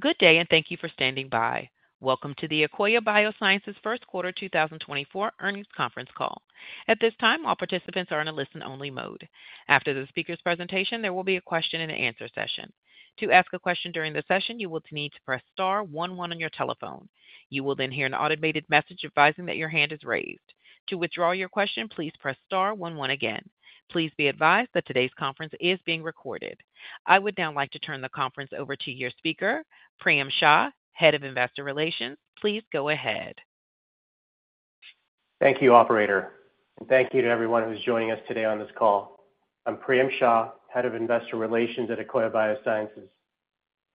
Good day and thank you for standing by. Welcome to the Akoya Biosciences First Quarter 2024 Earnings Conference Call. At this time, all participants are in a listen-only mode. After the speaker's presentation, there will be a question-and-answer session. To ask a question during the session, you will need to press star one one on your telephone. You will then hear an automated message advising that your hand is raised. To withdraw your question, please press star one one again. Please be advised that today's conference is being recorded. I would now like to turn the conference over to your speaker, Priyam Shah, Head of Investor Relations. Please go ahead. Thank you, Operator, and thank you to everyone who's joining us today on this call. I'm Priyam Shah, Head of Investor Relations at Akoya Biosciences.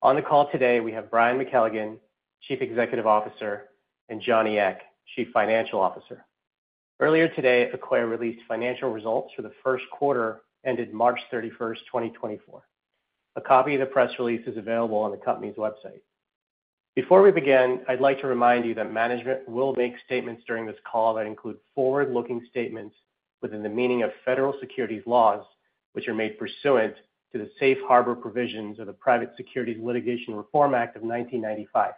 On the call today, we have Brian McKelligon, Chief Executive Officer, and Johnny Ek, Chief Financial Officer. Earlier today, Akoya released financial results for the first quarter ended March 31, 2024. A copy of the press release is available on the company's website. Before we begin, I'd like to remind you that management will make statements during this call that include forward-looking statements within the meaning of federal securities laws, which are made pursuant to the Safe Harbor provisions of the Private Securities Litigation Reform Act of 1995.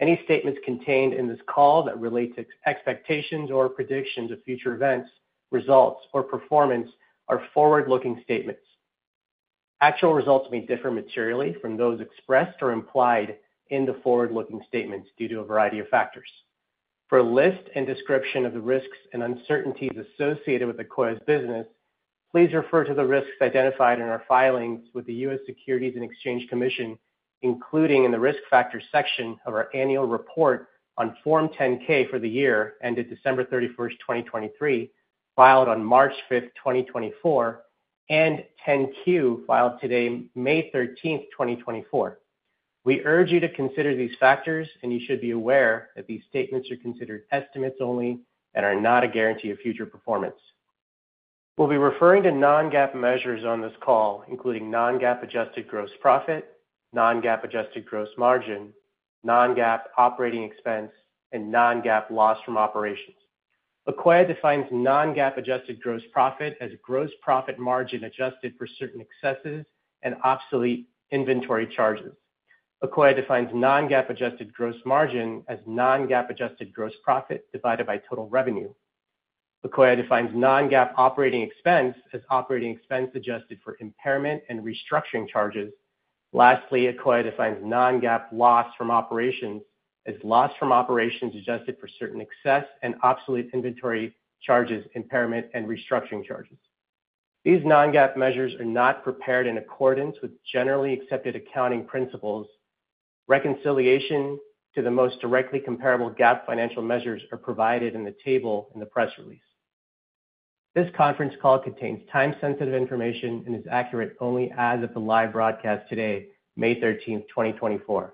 Any statements contained in this call that relate to expectations or predictions of future events, results, or performance are forward-looking statements. Actual results may differ materially from those expressed or implied in the forward-looking statements due to a variety of factors. For a list and description of the risks and uncertainties associated with Akoya's business, please refer to the risks identified in our filings with the U.S. Securities and Exchange Commission, including in the Risk Factors section of our annual report on Form 10-K for the year ended December 31, 2023, filed on March 5, 2024, and 10-Q filed today, May 13, 2024. We urge you to consider these factors, and you should be aware that these statements are considered estimates only and are not a guarantee of future performance. We'll be referring to non-GAAP measures on this call, including non-GAAP adjusted gross profit, non-GAAP adjusted gross margin, non-GAAP operating expense, and non-GAAP loss from operations. Akoya defines non-GAAP adjusted gross profit as gross profit margin adjusted for certain excesses and obsolete inventory charges. Akoya defines non-GAAP adjusted gross margin as non-GAAP adjusted gross profit divided by total revenue. Akoya defines non-GAAP operating expense as operating expense adjusted for impairment and restructuring charges. Lastly, Akoya defines non-GAAP loss from operations as loss from operations adjusted for certain excess and obsolete inventory charges, impairment, and restructuring charges. These non-GAAP measures are not prepared in accordance with generally accepted accounting principles. Reconciliation to the most directly comparable GAAP financial measures are provided in the table in the press release. This conference call contains time-sensitive information and is accurate only as of the live broadcast today, May 13, 2024.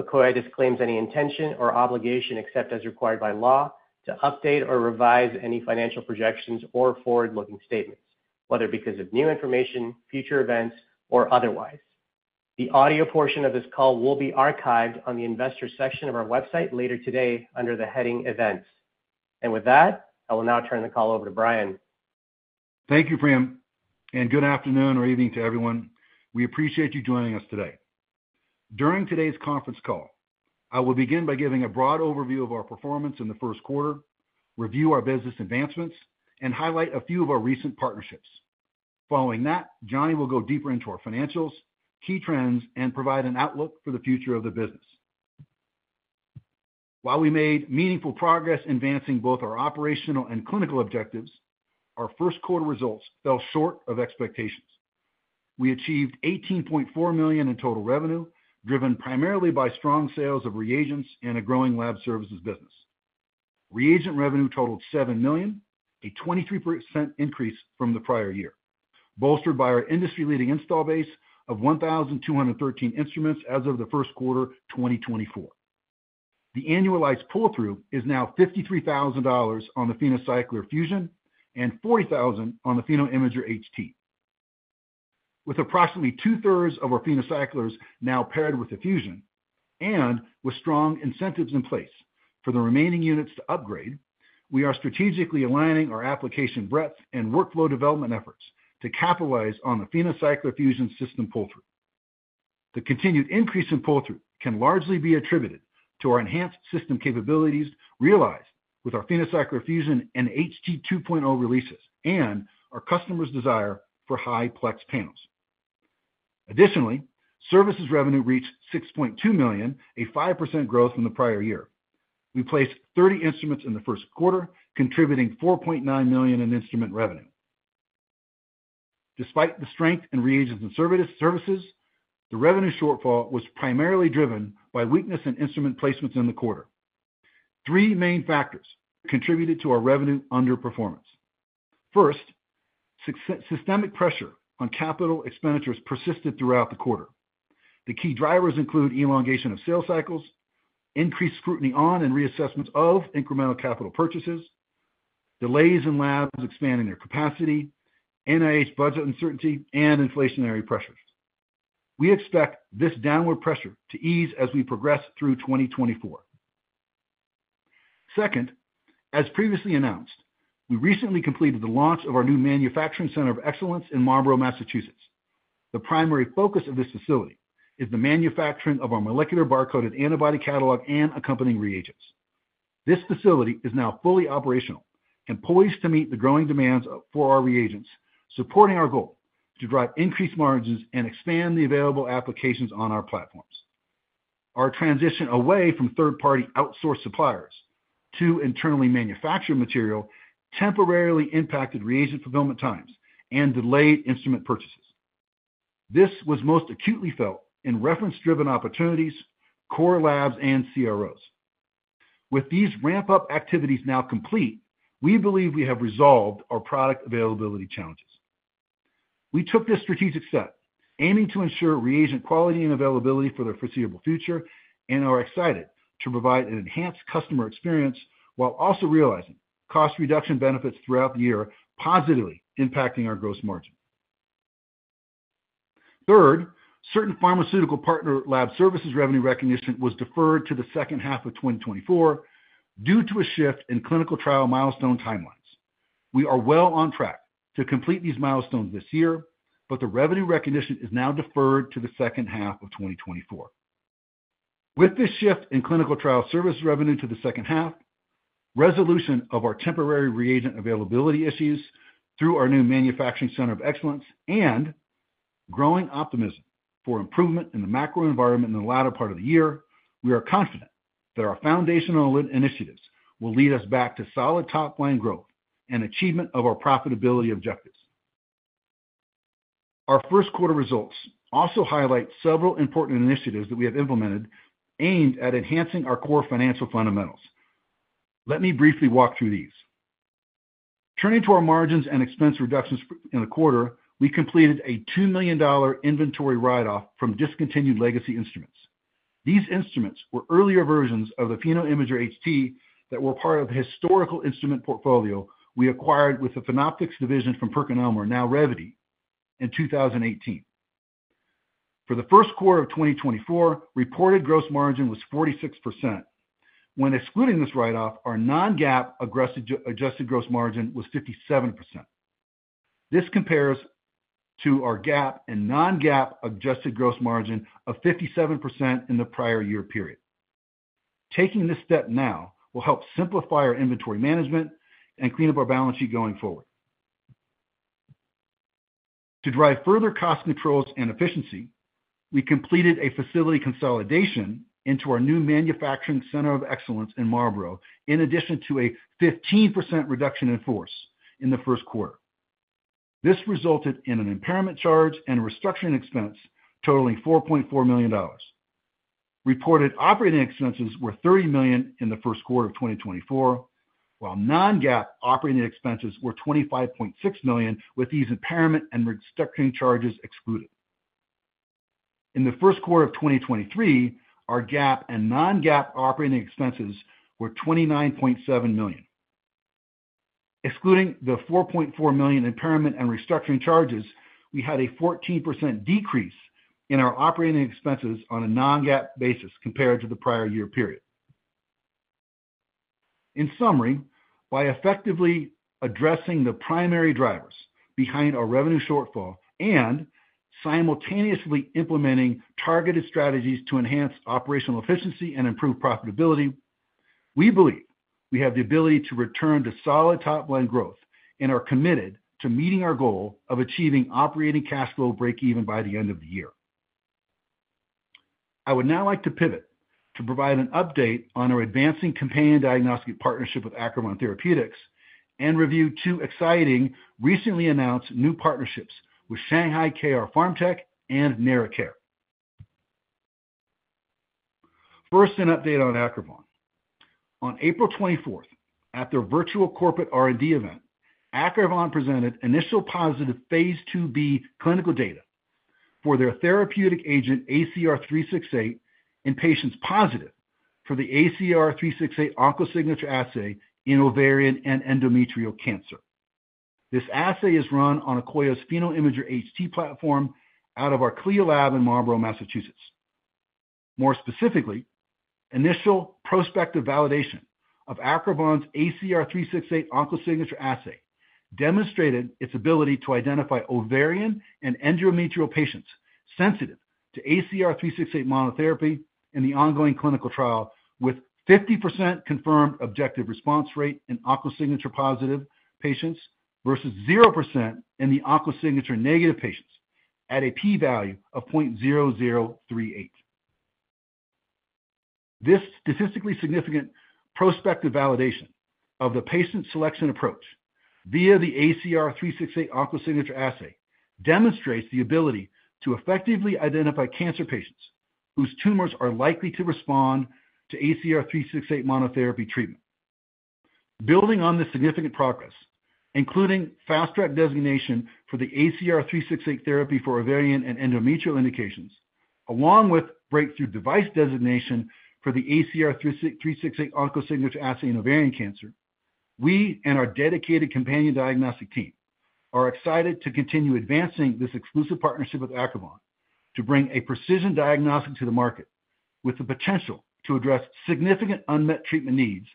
Akoya disclaims any intention or obligation except as required by law to update or revise any financial projections or forward-looking statements, whether because of new information, future events, or otherwise. The audio portion of this call will be archived on the Investors section of our website later today under the heading Events. With that, I will now turn the call over to Brian. Thank you, Priyam, and good afternoon or evening to everyone. We appreciate you joining us today. During today's conference call, I will begin by giving a broad overview of our performance in the first quarter, review our business advancements, and highlight a few of our recent partnerships. Following that, Johnny will go deeper into our financials, key trends, and provide an outlook for the future of the business. While we made meaningful progress advancing both our operational and clinical objectives, our first quarter results fell short of expectations. We achieved $18.4 million in total revenue driven primarily by strong sales of reagents and a growing lab services business. Reagent revenue totaled $7 million, a 23% increase from the prior year, bolstered by our industry-leading install base of 1,213 instruments as of the first quarter 2024. The annualized pull-through is now $53,000 on the PhenoCycler-Fusion and $40,000 on the PhenoImager HT. With approximately two-thirds of our PhenoCyclers now paired with the Fusion and with strong incentives in place for the remaining units to upgrade, we are strategically aligning our application breadth and workflow development efforts to capitalize on the PhenoCycler-Fusion system pull-through. The continued increase in pull-through can largely be attributed to our enhanced system capabilities realized with our PhenoCycler-Fusion and PhenoImager HT 2.0 releases and our customers' desire for high-plex panels. Additionally, services revenue reached $6.2 million, a 5% growth from the prior year. We placed 30 instruments in the first quarter, contributing $4.9 million in instrument revenue. Despite the strength in reagents and services, the revenue shortfall was primarily driven by weakness in instrument placements in the quarter. Three main factors contributed to our revenue underperformance. First, systemic pressure on capital expenditures persisted throughout the quarter. The key drivers include elongation of sales cycles, increased scrutiny on and reassessments of incremental capital purchases, delays in labs expanding their capacity, NIH budget uncertainty, and inflationary pressures. We expect this downward pressure to ease as we progress through 2024. Second, as previously announced, we recently completed the launch of our new manufacturing center of excellence in Marlborough, Massachusetts. The primary focus of this facility is the manufacturing of our molecular barcoded antibody catalog and accompanying reagents. This facility is now fully operational and poised to meet the growing demands for our reagents, supporting our goal to drive increased margins and expand the available applications on our platforms. Our transition away from third-party outsourced suppliers to internally manufactured material temporarily impacted reagent fulfillment times and delayed instrument purchases. This was most acutely felt in reference-driven opportunities, core labs, and CROs. With these ramp-up activities now complete, we believe we have resolved our product availability challenges. We took this strategic step aiming to ensure reagent quality and availability for the foreseeable future and are excited to provide an enhanced customer experience while also realizing cost reduction benefits throughout the year positively impacting our gross margin. Third, certain pharmaceutical partner lab services revenue recognition was deferred to the second half of 2024 due to a shift in clinical trial milestone timelines. We are well on track to complete these milestones this year, but the revenue recognition is now deferred to the second half of 2024. With this shift in clinical trial service revenue to the second half, resolution of our temporary reagent availability issues through our new manufacturing center of excellence, and growing optimism for improvement in the macro environment in the latter part of the year, we are confident that our foundational initiatives will lead us back to solid top-line growth and achievement of our profitability objectives. Our first quarter results also highlight several important initiatives that we have implemented aimed at enhancing our core financial fundamentals. Let me briefly walk through these. Turning to our margins and expense reductions in the quarter, we completed a $2 million inventory write-off from discontinued legacy instruments. These instruments were earlier versions of the PhenoImager HT that were part of the historical instrument portfolio we acquired with the Phenoptics division from PerkinElmer, now Revity, in 2018. For the first quarter of 2024, reported gross margin was 46%. When excluding this write-off, our non-GAAP adjusted gross margin was 57%. This compares to our GAAP and non-GAAP adjusted gross margin of 57% in the prior year period. Taking this step now will help simplify our inventory management and clean up our balance sheet going forward. To drive further cost controls and efficiency, we completed a facility consolidation into our new manufacturing center of excellence in Marlborough in addition to a 15% reduction in force in the first quarter. This resulted in an impairment charge and restructuring expense totaling $4.4 million. Reported operating expenses were $30 million in the first quarter of 2024, while non-GAAP operating expenses were $25.6 million with these impairment and restructuring charges excluded. In the first quarter of 2023, our GAAP and non-GAAP operating expenses were $29.7 million. Excluding the $4.4 million impairment and restructuring charges, we had a 14% decrease in our operating expenses on a non-GAAP basis compared to the prior year period. In summary, by effectively addressing the primary drivers behind our revenue shortfall and simultaneously implementing targeted strategies to enhance operational efficiency and improve profitability, we believe we have the ability to return to solid top-line growth and are committed to meeting our goal of achieving operating cash flow break-even by the end of the year. I would now like to pivot to provide an update on our advancing companion diagnostic partnership with Acrivon Therapeutics and review two exciting recently announced new partnerships with Shanghai KR Pharmtech and NeraCare. First, an update on Acrivon. On April 24, at their virtual corporate R&D event, Acrivon presented initial positive phase 2b clinical data for their therapeutic agent ACR-368 in patients positive for the ACR-368 OncoSignature assay in ovarian and endometrial cancer. This assay is run on Akoya's PhenoImager HT platform out of our CLIA lab in Marlborough, Massachusetts. More specifically, initial prospective validation of Acrivon's ACR-368 OncoSignature assay demonstrated its ability to identify ovarian and endometrial patients sensitive to ACR-368 monotherapy in the ongoing clinical trial with 50% confirmed objective response rate in OncoSignature positive patients versus 0% in the OncoSignature negative patients at a p-value of 0.0038. This statistically significant prospective validation of the patient selection approach via the ACR-368 OncoSignature assay demonstrates the ability to effectively identify cancer patients whose tumors are likely to respond to ACR-368 monotherapy treatment. Building on this significant progress, including fast-track designation for the ACR-368 therapy for ovarian and endometrial indications, along with breakthrough device designation for the ACR-368 OncoSignature assay in ovarian cancer, we and our dedicated companion diagnostic team are excited to continue advancing this exclusive partnership with Acrivon Therapeutics to bring a precision diagnostic to the market with the potential to address significant unmet treatment needs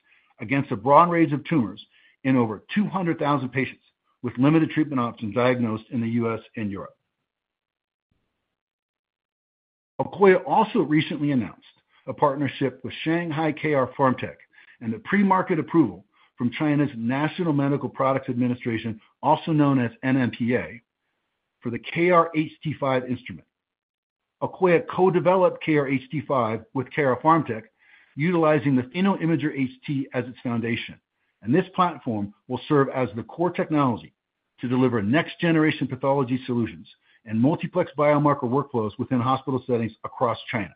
against a broad range of tumors in over 200,000 patients with limited treatment options diagnosed in the U.S. and Europe. Akoya also recently announced a partnership with Shanghai KR Pharmtech and the pre-market approval from China's National Medical Products Administration, also known as NMPA, for the KR-HT5 instrument. Akoya co-developed KR-HT5 with KR Pharmtech utilizing the PhenoImager HT as its foundation, and this platform will serve as the core technology to deliver next-generation pathology solutions and multiplex biomarker workflows within hospital settings across China.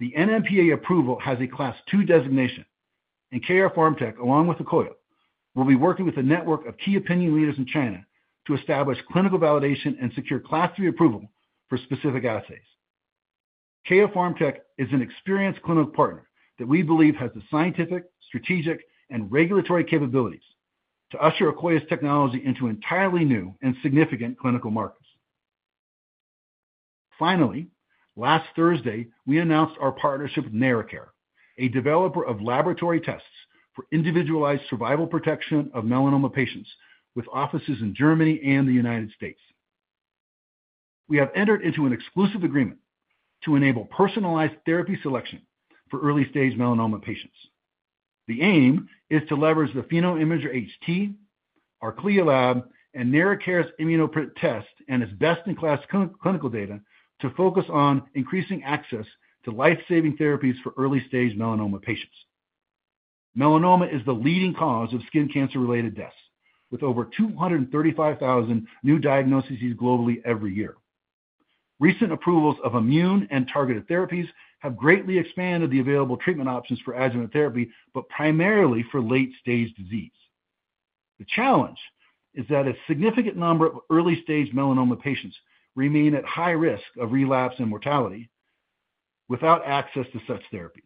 The NMPA approval has a Class II designation, and KR Pharmtech, along with Akoya, will be working with a network of key opinion leaders in China to establish clinical validation and secure Class III approval for specific assays. KR Pharmtech is an experienced clinical partner that we believe has the scientific, strategic, and regulatory capabilities to usher Akoya's technology into entirely new and significant clinical markets. Finally, last Thursday, we announced our partnership with NeraCare, a developer of laboratory tests for individualized survival protection of melanoma patients with offices in Germany and the United States. We have entered into an exclusive agreement to enable personalized therapy selection for early-stage melanoma patients. The aim is to leverage the PhenoImager HT, our CLIA lab, and NeraCare's Immunoprint test and its best-in-class clinical data to focus on increasing access to life-saving therapies for early-stage melanoma patients. Melanoma is the leading cause of skin cancer-related deaths, with over 235,000 new diagnoses globally every year. Recent approvals of immune and targeted therapies have greatly expanded the available treatment options for adjuvant therapy, but primarily for late-stage disease. The challenge is that a significant number of early-stage melanoma patients remain at high risk of relapse and mortality without access to such therapies.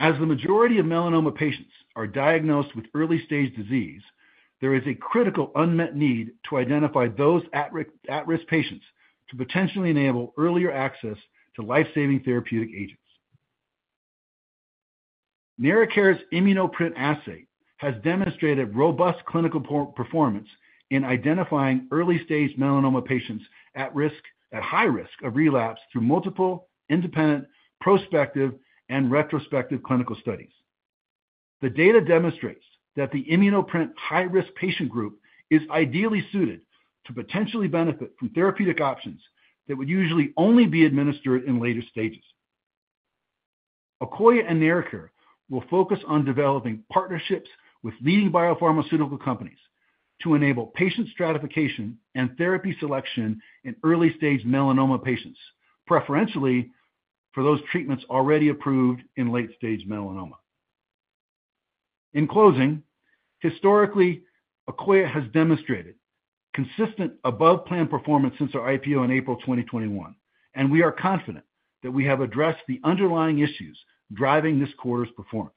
As the majority of melanoma patients are diagnosed with early-stage disease, there is a critical unmet need to identify those at-risk patients to potentially enable earlier access to life-saving therapeutic agents. NeraCare's Immunoprint assay has demonstrated robust clinical performance in identifying early-stage melanoma patients at high risk of relapse through multiple independent prospective and retrospective clinical studies. The data demonstrates that the Immunoprint high-risk patient group is ideally suited to potentially benefit from therapeutic options that would usually only be administered in later stages. Akoya and NeraCare will focus on developing partnerships with leading biopharmaceutical companies to enable patient stratification and therapy selection in early-stage melanoma patients, preferentially for those treatments already approved in late-stage melanoma. In closing, historically, Akoya has demonstrated consistent above-plan performance since our IPO in April 2021, and we are confident that we have addressed the underlying issues driving this quarter's performance.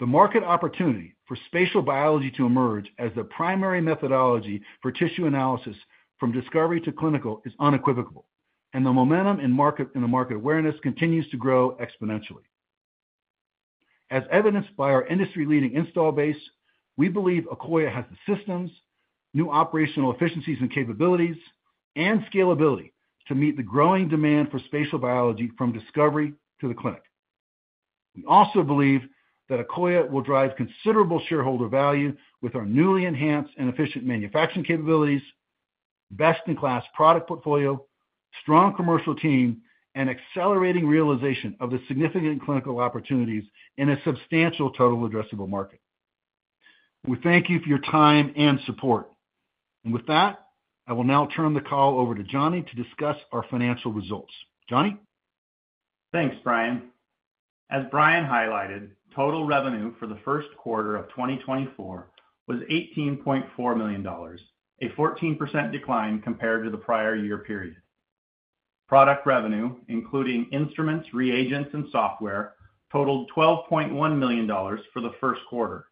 The market opportunity for spatial biology to emerge as the primary methodology for tissue analysis from discovery to clinical is unequivocal, and the momentum in the market awareness continues to grow exponentially. As evidenced by our industry-leading installed base, we believe Akoya has the systems, new operational efficiencies and capabilities, and scalability to meet the growing demand for spatial biology from discovery to the clinic. We also believe that Akoya will drive considerable shareholder value with our newly enhanced and efficient manufacturing capabilities, best-in-class product portfolio, strong commercial team, and accelerating realization of the significant clinical opportunities in a substantial total addressable market. We thank you for your time and support. With that, I will now turn the call over to Johnny to discuss our financial results. Johnny? Thanks, Brian. As Brian highlighted, total revenue for the first quarter of 2024 was $18.4 million, a 14% decline compared to the prior year period. Product revenue, including instruments, reagents, and software, totaled $12.1 million for the first quarter.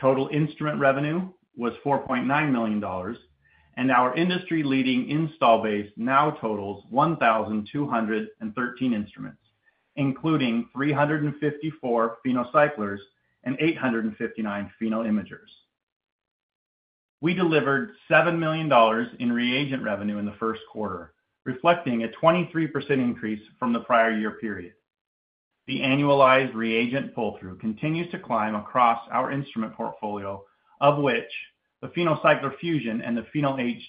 Total instrument revenue was $4.9 million, and our industry-leading install base now totals 1,213 instruments, including 354 PhenoCyclers and 859 PhenoImagers. We delivered $7 million in reagent revenue in the first quarter, reflecting a 23% increase from the prior year period. The annualized reagent pull-through continues to climb across our instrument portfolio, of which the PhenoCycler-Fusion and the PhenoImager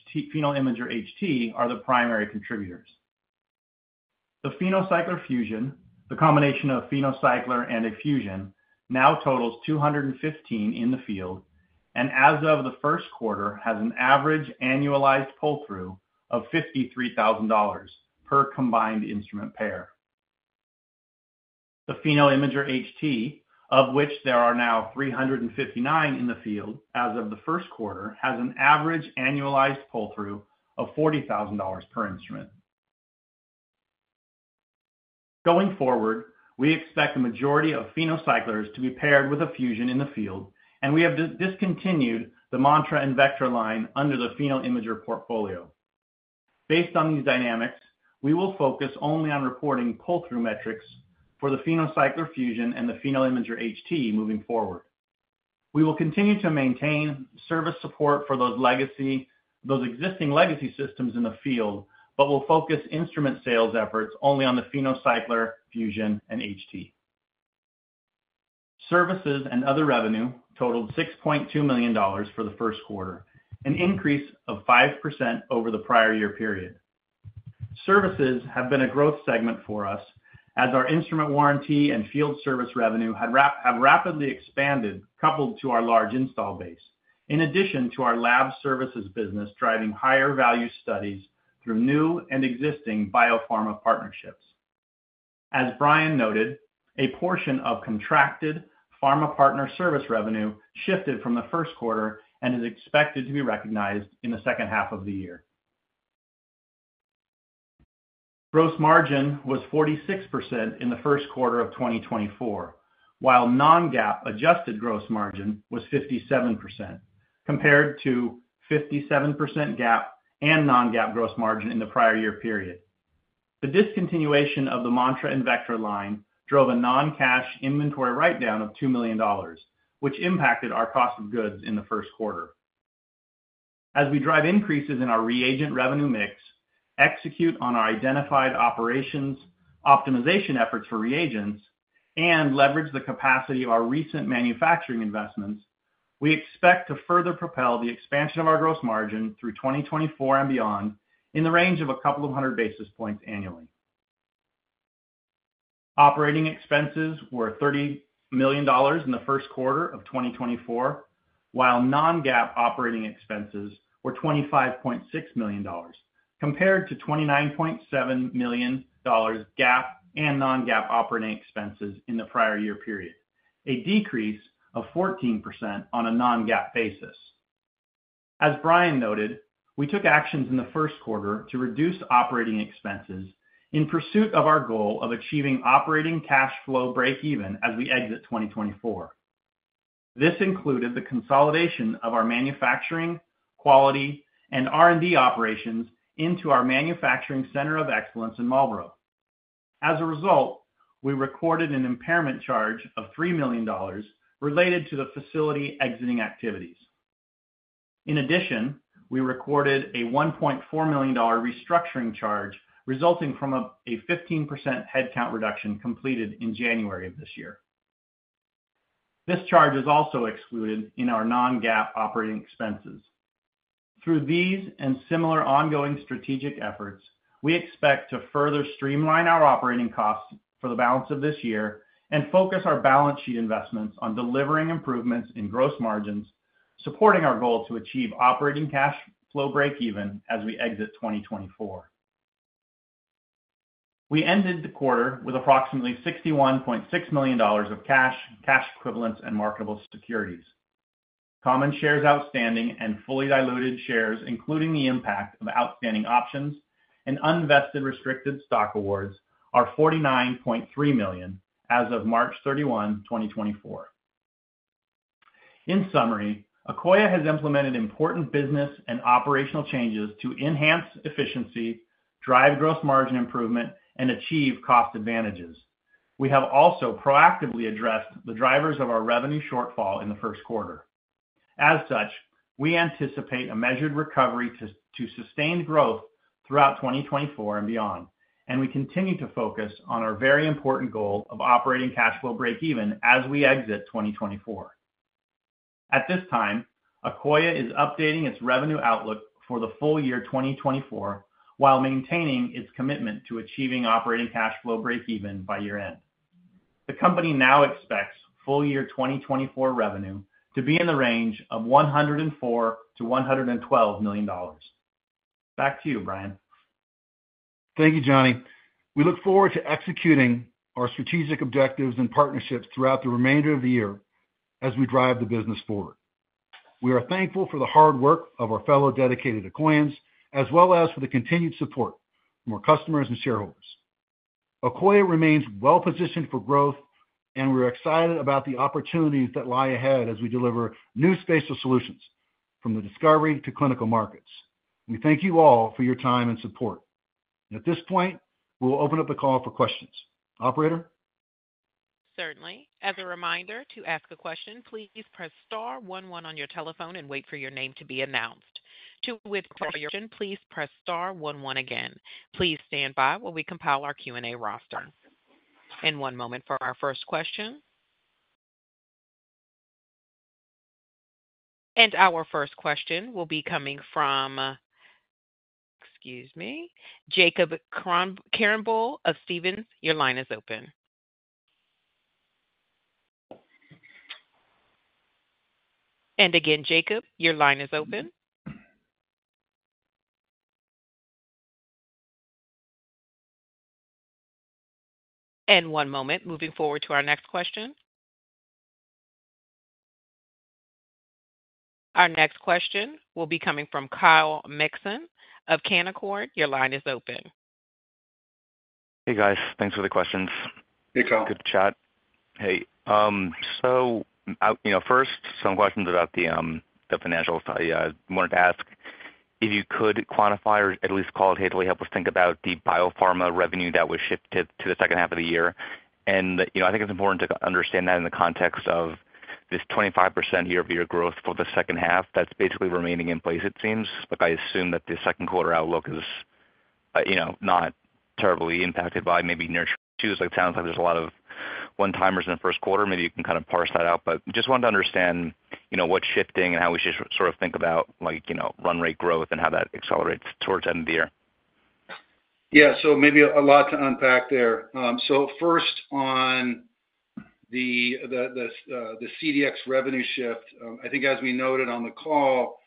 HT are the primary contributors. The PhenoCycler-Fusion, the combination of PhenoCycler and a Fusion, now totals 215 in the field and as of the first quarter has an average annualized pull-through of $53,000 per combined instrument pair. The PhenoImager HT, of which there are now 359 in the field as of the first quarter, has an average annualized pull-through of $40,000 per instrument. Going forward, we expect the majority of PhenoCyclers to be paired with a Fusion in the field, and we have discontinued the Mantra and Vectra line under the PhenoImager portfolio. Based on these dynamics, we will focus only on reporting pull-through metrics for the PhenoCycler-Fusion and the PhenoImager HT moving forward. We will continue to maintain service support for those existing legacy systems in the field, but will focus instrument sales efforts only on the PhenoCycler-Fusion, and HT. Services and other revenue totaled $6.2 million for the first quarter, an increase of 5% over the prior year period. Services have been a growth segment for us as our instrument warranty and field service revenue have rapidly expanded coupled to our large install base, in addition to our lab services business driving higher-value studies through new and existing biopharma partnerships. As Brian noted, a portion of contracted pharma partner service revenue shifted from the first quarter and is expected to be recognized in the second half of the year. Gross margin was 46% in the first quarter of 2024, while non-GAAP adjusted gross margin was 57% compared to 57% GAAP and non-GAAP gross margin in the prior year period. The discontinuation of the Mantra and Vectra line drove a non-cash inventory write-down of $2 million, which impacted our cost of goods in the first quarter. As we drive increases in our reagent revenue mix, execute on our identified operations optimization efforts for reagents, and leverage the capacity of our recent manufacturing investments, we expect to further propel the expansion of our gross margin through 2024 and beyond in the range of a couple of hundred basis points annually. Operating expenses were $30 million in the first quarter of 2024, while non-GAAP operating expenses were $25.6 million compared to $29.7 million GAAP and non-GAAP operating expenses in the prior year period, a decrease of 14% on a non-GAAP basis. As Brian noted, we took actions in the first quarter to reduce operating expenses in pursuit of our goal of achieving operating cash flow break-even as we exit 2024. This included the consolidation of our manufacturing, quality, and R&D operations into our manufacturing center of excellence in Marlborough. As a result, we recorded an impairment charge of $3 million related to the facility exiting activities. In addition, we recorded a $1.4 million restructuring charge resulting from a 15% headcount reduction completed in January of this year. This charge is also excluded in our non-GAAP operating expenses. Through these and similar ongoing strategic efforts, we expect to further streamline our operating costs for the balance of this year and focus our balance sheet investments on delivering improvements in gross margins, supporting our goal to achieve operating cash flow break-even as we exit 2024. We ended the quarter with approximately $61.6 million of cash, cash equivalents, and marketable securities. Common shares outstanding and fully diluted shares, including the impact of outstanding options and unvested restricted stock awards, are $49.3 million as of March 31, 2024. In summary, Akoya has implemented important business and operational changes to enhance efficiency, drive gross margin improvement, and achieve cost advantages. We have also proactively addressed the drivers of our revenue shortfall in the first quarter. As such, we anticipate a measured recovery to sustained growth throughout 2024 and beyond, and we continue to focus on our very important goal of operating cash flow break-even as we exit 2024. At this time, Akoya is updating its revenue outlook for the full year 2024 while maintaining its commitment to achieving operating cash flow break-even by year-end. The company now expects full year 2024 revenue to be in the range of $104 million-$112 million. Back to you, Brian. Thank you, Johnny. We look forward to executing our strategic objectives and partnerships throughout the remainder of the year as we drive the business forward. We are thankful for the hard work of our fellow dedicated Akoyans as well as for the continued support from our customers and shareholders. Akoya remains well-positioned for growth, and we're excited about the opportunities that lie ahead as we deliver new spatial solutions from the discovery to clinical markets. We thank you all for your time and support. At this point, we will open up the call for questions. Operator? Certainly. As a reminder, to ask a question, please press star one one on your telephone and wait for your name to be announced. To withdraw your question, please press star one one again. Please stand by while we compile our Q&A roster. One moment for our first question. Our first question will be coming from, excuse me, Jacob Campbell of Stephens. Your line is open. And again, Jacob, your line is open. And one moment, moving forward to our next question. Our next question will be coming from Kyle Mikson of Canaccord Genuity. Your line is open. Hey, guys. Thanks for the questions. Hey, Kyle. Good to chat. Hey. So first, some questions about the financials. I wanted to ask if you could quantify or at least call it, "Hey, can you help us think about the biopharma revenue that was shifted to the second half of the year?" And I think it's important to understand that in the context of this 25% year-over-year growth for the second half. That's basically remaining in place, it seems. I assume that the second quarter outlook is not terribly impacted by maybe macro issues. It sounds like there's a lot of one-timers in the first quarter. Maybe you can kind of parse that out. But just wanted to understand what's shifting and how we should sort of think about run rate growth and how that accelerates towards the end of the year. Yeah. So maybe a lot to unpack there. So first, on the CDx revenue shift, I think as we noted on the call,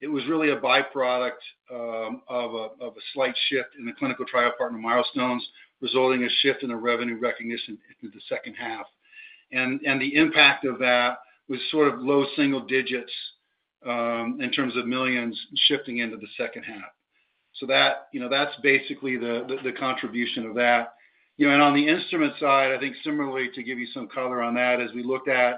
it was really a byproduct of a slight shift in the clinical trial partner milestones resulting in a shift in the revenue recognition into the second half. And the impact of that was sort of low single digits in terms of $ millions shifting into the second half. So that's basically the contribution of that. And on the instrument side, I think similarly, to give you some color on that, as we looked at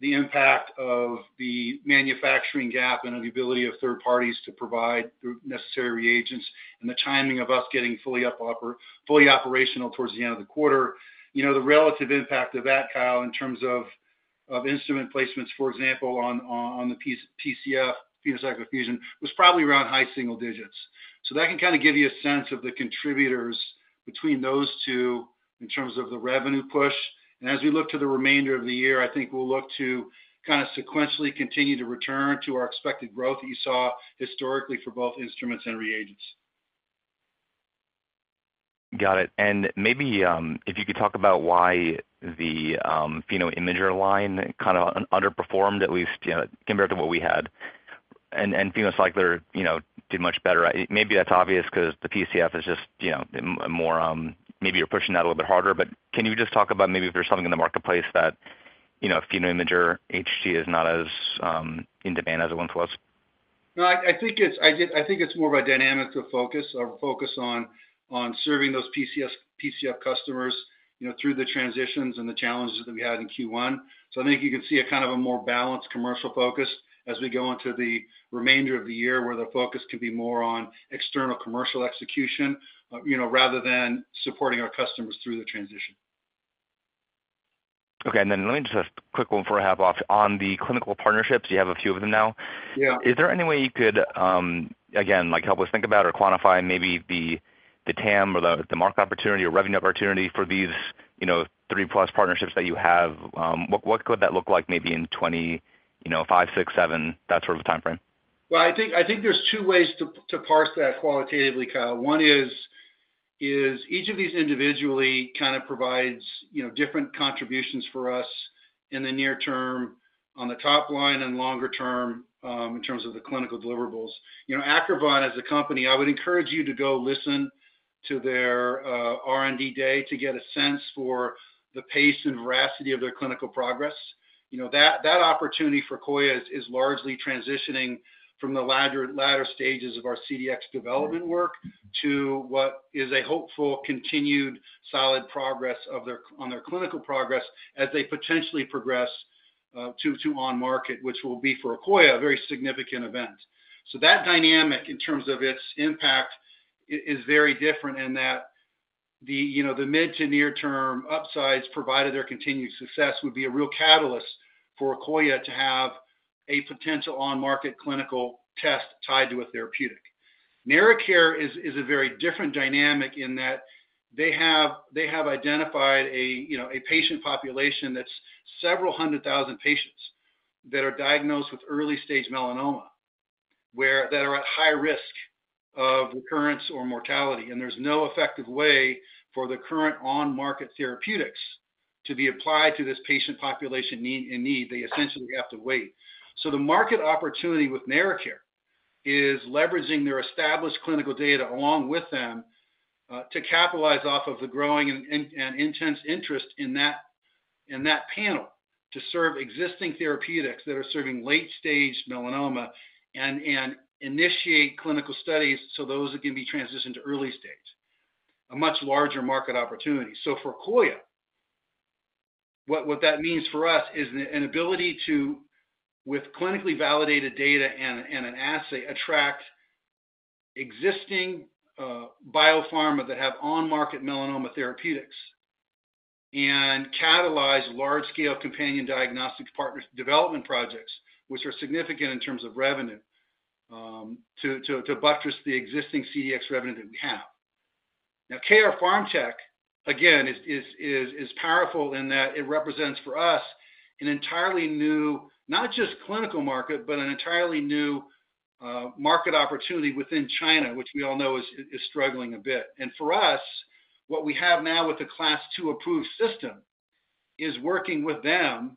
the impact of the manufacturing gap and the ability of third parties to provide necessary reagents and the timing of us getting fully operational towards the end of the quarter, the relative impact of that, Kyle, in terms of instrument placements, for example, on the PCF, PhenoCycler-Fusion, was probably around high single digits. So that can kind of give you a sense of the contributors between those two in terms of the revenue push. And as we look to the remainder of the year, I think we'll look to kind of sequentially continue to return to our expected growth that you saw historically for both instruments and reagents. Got it. Maybe if you could talk about why the PhenoImager line kind of underperformed, at least compared to what we had, and PhenoCycler did much better. Maybe that's obvious because the PCF is just more maybe you're pushing that a little bit harder. But can you just talk about maybe if there's something in the marketplace that PhenoImager HT is not as in demand as it once was? No, I think it's more of a dynamic of focus. Our focus on serving those PCF customers through the transitions and the challenges that we had in Q1. So I think you can see kind of a more balanced commercial focus as we go into the remainder of the year where the focus can be more on external commercial execution rather than supporting our customers through the transition. Okay. And then let me just ask a quick one before I hop off. On the clinical partnerships, you have a few of them now. Is there any way you could, again, help us think about or quantify maybe the TAM or the market opportunity or revenue opportunity for these three-plus partnerships that you have? What could that look like maybe in 2025, 2026, 2027, that sort of timeframe? Well, I think there's two ways to parse that qualitatively, Kyle. One is each of these individually kind of provides different contributions for us in the near term on the top line and longer term in terms of the clinical deliverables. Acrivon, as a company, I would encourage you to go listen to their R&D day to get a sense for the pace and veracity of their clinical progress. That opportunity for Akoya is largely transitioning from the latter stages of our CDx development work to what is a hopeful continued solid progress on their clinical progress as they potentially progress to on-market, which will be for Akoya a very significant event. So that dynamic in terms of its impact is very different in that the mid- to near-term upsides provided their continued success would be a real catalyst for Akoya to have a potential on-market clinical test tied to a therapeutic. NeraCare is a very different dynamic in that they have identified a patient population that's several hundred thousand patients that are diagnosed with early-stage melanoma that are at high risk of recurrence or mortality. And there's no effective way for the current on-market therapeutics to be applied to this patient population in need. They essentially have to wait. So the market opportunity with NeraCare is leveraging their established clinical data along with them to capitalize off of the growing and intense interest in that panel to serve existing therapeutics that are serving late-stage melanoma and initiate clinical studies so those can be transitioned to early-stage, a much larger market opportunity. So for Akoya, what that means for us is an ability to, with clinically validated data and an assay, attract existing biopharma that have on-market melanoma therapeutics and catalyze large-scale companion diagnostic partner development projects, which are significant in terms of revenue, to buttress the existing CDX revenue that we have. Now, KR Pharmtech, again, is powerful in that it represents for us an entirely new not just clinical market, but an entirely new market opportunity within China, which we all know is struggling a bit. For us, what we have now with the Class II approved system is working with them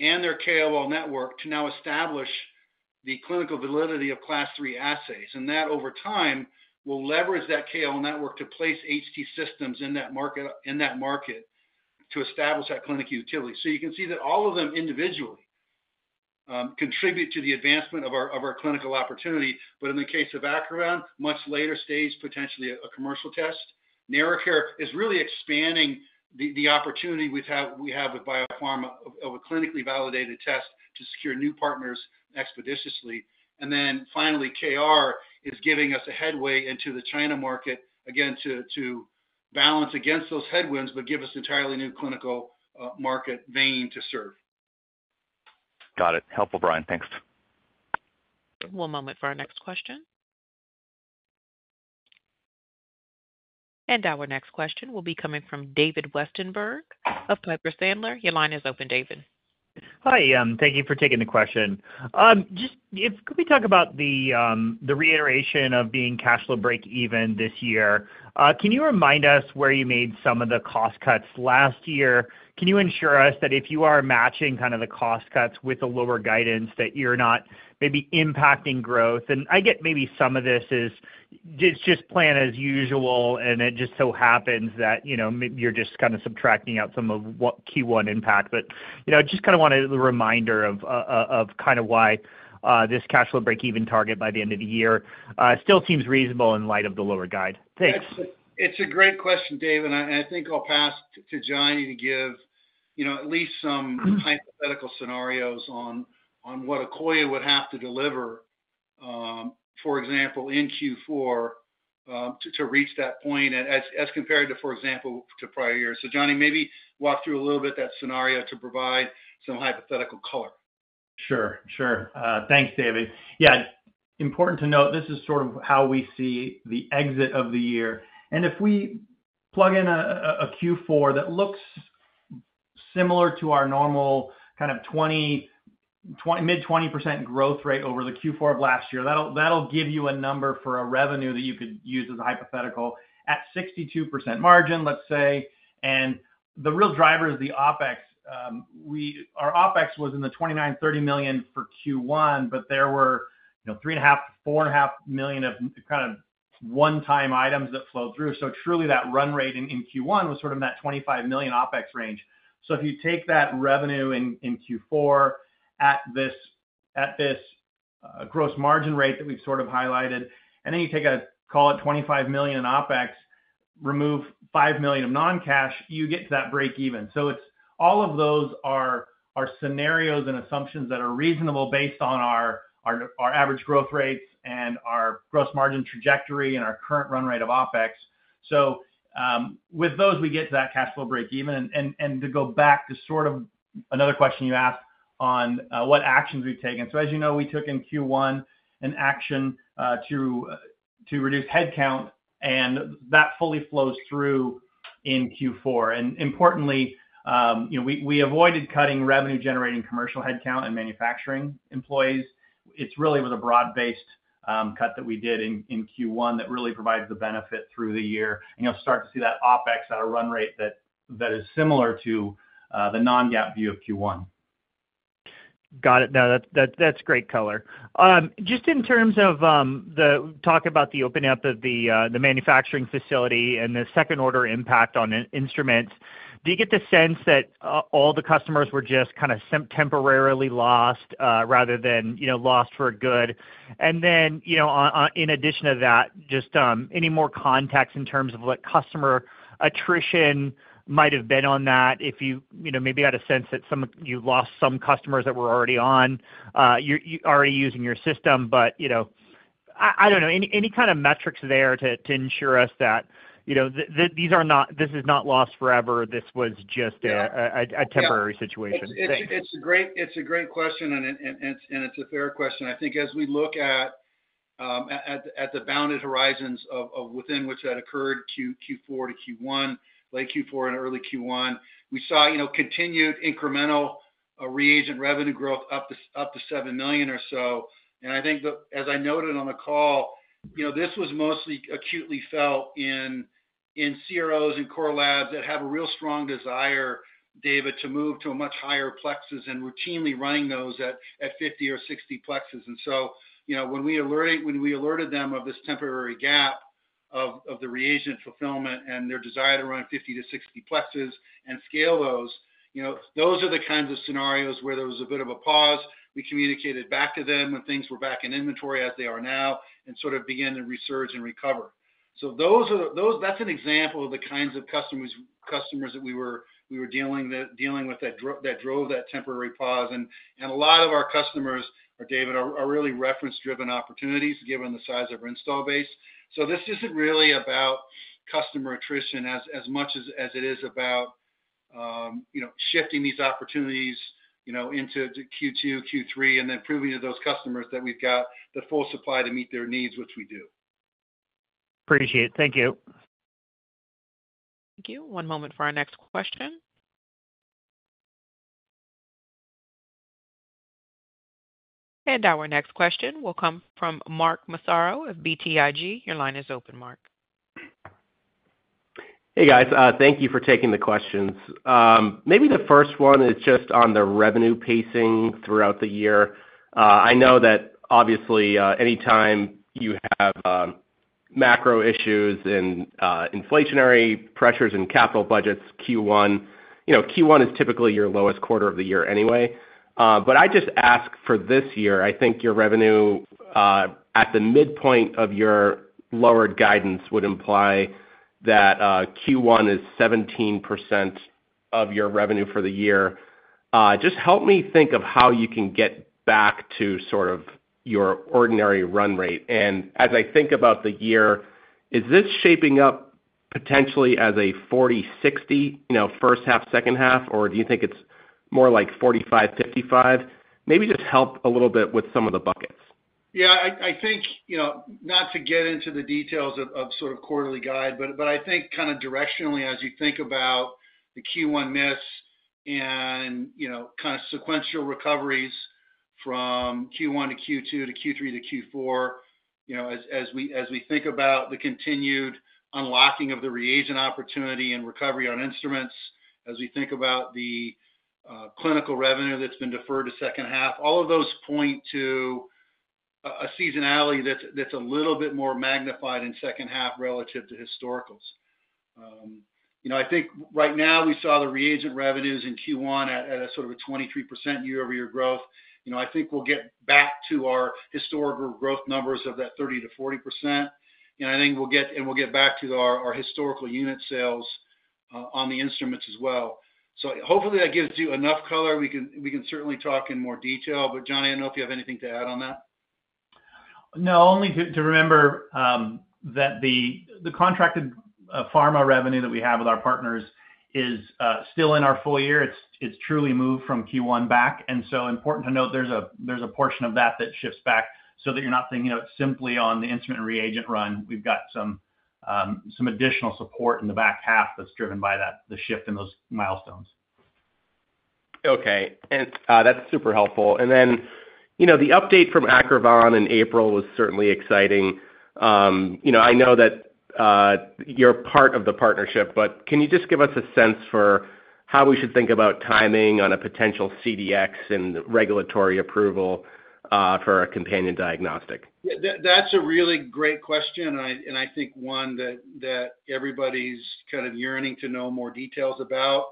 and their KOL network to now establish the clinical validity of Class III assays. And that, over time, will leverage that KOL network to place HT systems in that market to establish that clinical utility. So you can see that all of them individually contribute to the advancement of our clinical opportunity. But in the case of Acrivon, much later stage, potentially a commercial test. NeraCare is really expanding the opportunity we have with biopharma of a clinically validated test to secure new partners expeditiously. And then finally, KR is giving us a headway into the China market, again, to balance against those headwinds but give us entirely new clinical market vein to serve. Got it. Helpful, Brian. Thanks. One moment for our next question. Our next question will be coming from David Westenberg of Piper Sandler. Your line is open, David. Hi. Thank you for taking the question. Could we talk about the reiteration of being cash flow break-even this year? Can you remind us where you made some of the cost cuts last year? Can you ensure us that if you are matching kind of the cost cuts with a lower guidance, that you're not maybe impacting growth? And I get maybe some of this is it's just plan as usual, and it just so happens that you're just kind of subtracting out some of what Q1 impacts. But just kind of wanted a reminder of kind of why this cash flow break-even target by the end of the year still seems reasonable in light of the lower guide. Thanks. It's a great question, David. I think I'll pass to Johnny to give at least some hypothetical scenarios on what Akoya would have to deliver, for example, in Q4 to reach that point as compared to, for example, to prior years. So Johnny, maybe walk through a little bit that scenario to provide some hypothetical color. Sure. Sure. Thanks, David. Yeah. Important to note, this is sort of how we see the exit of the year. And if we plug in a Q4 that looks similar to our normal kind of mid-20% growth rate over the Q4 of last year, that'll give you a number for a revenue that you could use as a hypothetical at 62% margin, let's say. And the real driver is the OpEx. Our OpEx was in the $29-$30 million for Q1, but there were $3.5-$4.5 million of kind of one-time items that flowed through. So truly, that run rate in Q1 was sort of in that $25 million OpEx range. So if you take that revenue in Q4 at this gross margin rate that we've sort of highlighted, and then you take a call at $25 million in OpEx, remove $5 million of non-cash, you get to that break-even. So all of those are scenarios and assumptions that are reasonable based on our average growth rates and our gross margin trajectory and our current run rate of OpEx. So with those, we get to that cash flow break-even. And to go back to sort of another question you asked on what actions we've taken. So as you know, we took in Q1 an action to reduce headcount, and that fully flows through in Q4. Importantly, we avoided cutting revenue-generating commercial headcount and manufacturing employees. It's really with a broad-based cut that we did in Q1 that really provides the benefit through the year. And you'll start to see that OpEx, that run rate that is similar to the non-GAAP view of Q1. Got it. No, that's great color. Just in terms of the talk about the opening up of the manufacturing facility and the second-order impact on instruments, do you get the sense that all the customers were just kind of temporarily lost rather than lost for good? And then in addition to that, just any more context in terms of what customer attrition might have been on that if you maybe had a sense that you lost some customers that were already on, already using your system. But I don't know, any kind of metrics there to ensure us that these are not this is not lost forever. This was just a temporary situation. Thanks. It's a great question, and it's a fair question. I think as we look at the bounded horizons within which that occurred, Q4 to Q1, late Q4 and early Q1, we saw continued incremental reagent revenue growth up to $7 million or so. I think that as I noted on the call, this was mostly acutely felt in CROs and core labs that have a real strong desire, David, to move to a much higher plex and routinely running those at 50 or 60 plex. So when we alerted them of this temporary gap of the reagent fulfillment and their desire to run 50 to 60 plex and scale those, those are the kinds of scenarios where there was a bit of a pause. We communicated back to them when things were back in inventory as they are now and sort of began to resurge and recover. So that's an example of the kinds of customers that we were dealing with that drove that temporary pause. A lot of our customers or, David, are really reference-driven opportunities given the size of our installed base. So this isn't really about customer attrition as much as it is about shifting these opportunities into Q2, Q3, and then proving to those customers that we've got the full supply to meet their needs, which we do. Appreciate it. Thank you. Thank you. One moment for our next question. Our next question will come from Mark Massaro of BTIG. Your line is open, Mark. Hey, guys. Thank you for taking the questions. Maybe the first one is just on the revenue pacing throughout the year. I know that obviously, anytime you have macro issues and inflationary pressures in capital budgets, Q1 is typically your lowest quarter of the year anyway. But I just ask for this year, I think your revenue at the midpoint of your lowered guidance would imply that Q1 is 17% of your revenue for the year. Just help me think of how you can get back to sort of your ordinary run rate. As I think about the year, is this shaping up potentially as a 40/60 first half, second half, or do you think it's more like 45/55? Maybe just help a little bit with some of the buckets. Yeah. I think not to get into the details of sort of quarterly guide, but I think kind of directionally, as you think about the Q1 miss and kind of sequential recoveries from Q1 to Q2 to Q3 to Q4, as we think about the continued unlocking of the reagent opportunity and recovery on instruments, as we think about the clinical revenue that's been deferred to second half, all of those point to a seasonality that's a little bit more magnified in second half relative to historicals. I think right now, we saw the reagent revenues in Q1 at sort of a 23% year-over-year growth. I think we'll get back to our historical growth numbers of that 30%-40%. And I think we'll get back to our historical unit sales on the instruments as well. So hopefully, that gives you enough color. We can certainly talk in more detail. But Johnny, I don't know if you have anything to add on that. No, only to remember that the contracted pharma revenue that we have with our partners is still in our full year. It's truly moved from Q1 back. And so important to note, there's a portion of that that shifts back so that you're not thinking it's simply on the instrument reagent run. We've got some additional support in the back half that's driven by the shift in those milestones. Okay. That's super helpful. Then the update from Acrivon in April was certainly exciting. I know that you're part of the partnership, but can you just give us a sense for how we should think about timing on a potential CDX and regulatory approval for a companion diagnostic? Yeah. That's a really great question. I think one that everybody's kind of yearning to know more details about.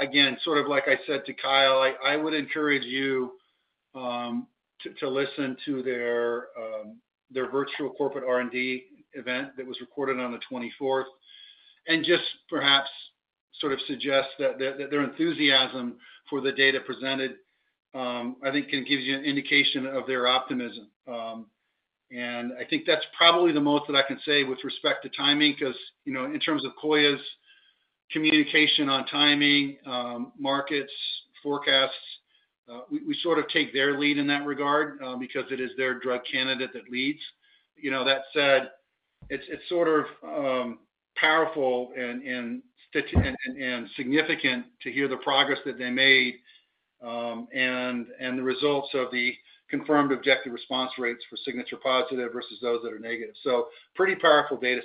Again, sort of like I said to Kyle, I would encourage you to listen to their virtual corporate R&D event that was recorded on the 24th and just perhaps sort of suggest that their enthusiasm for the data presented, I think, can give you an indication of their optimism. And I think that's probably the most that I can say with respect to timing because in terms of Akoya's communication on timing, markets, forecasts, we sort of take their lead in that regard because it is their drug candidate that leads. That said, it's sort of powerful and significant to hear the progress that they made and the results of the confirmed objective response rates for signature positive versus those that are negative. So pretty powerful dataset.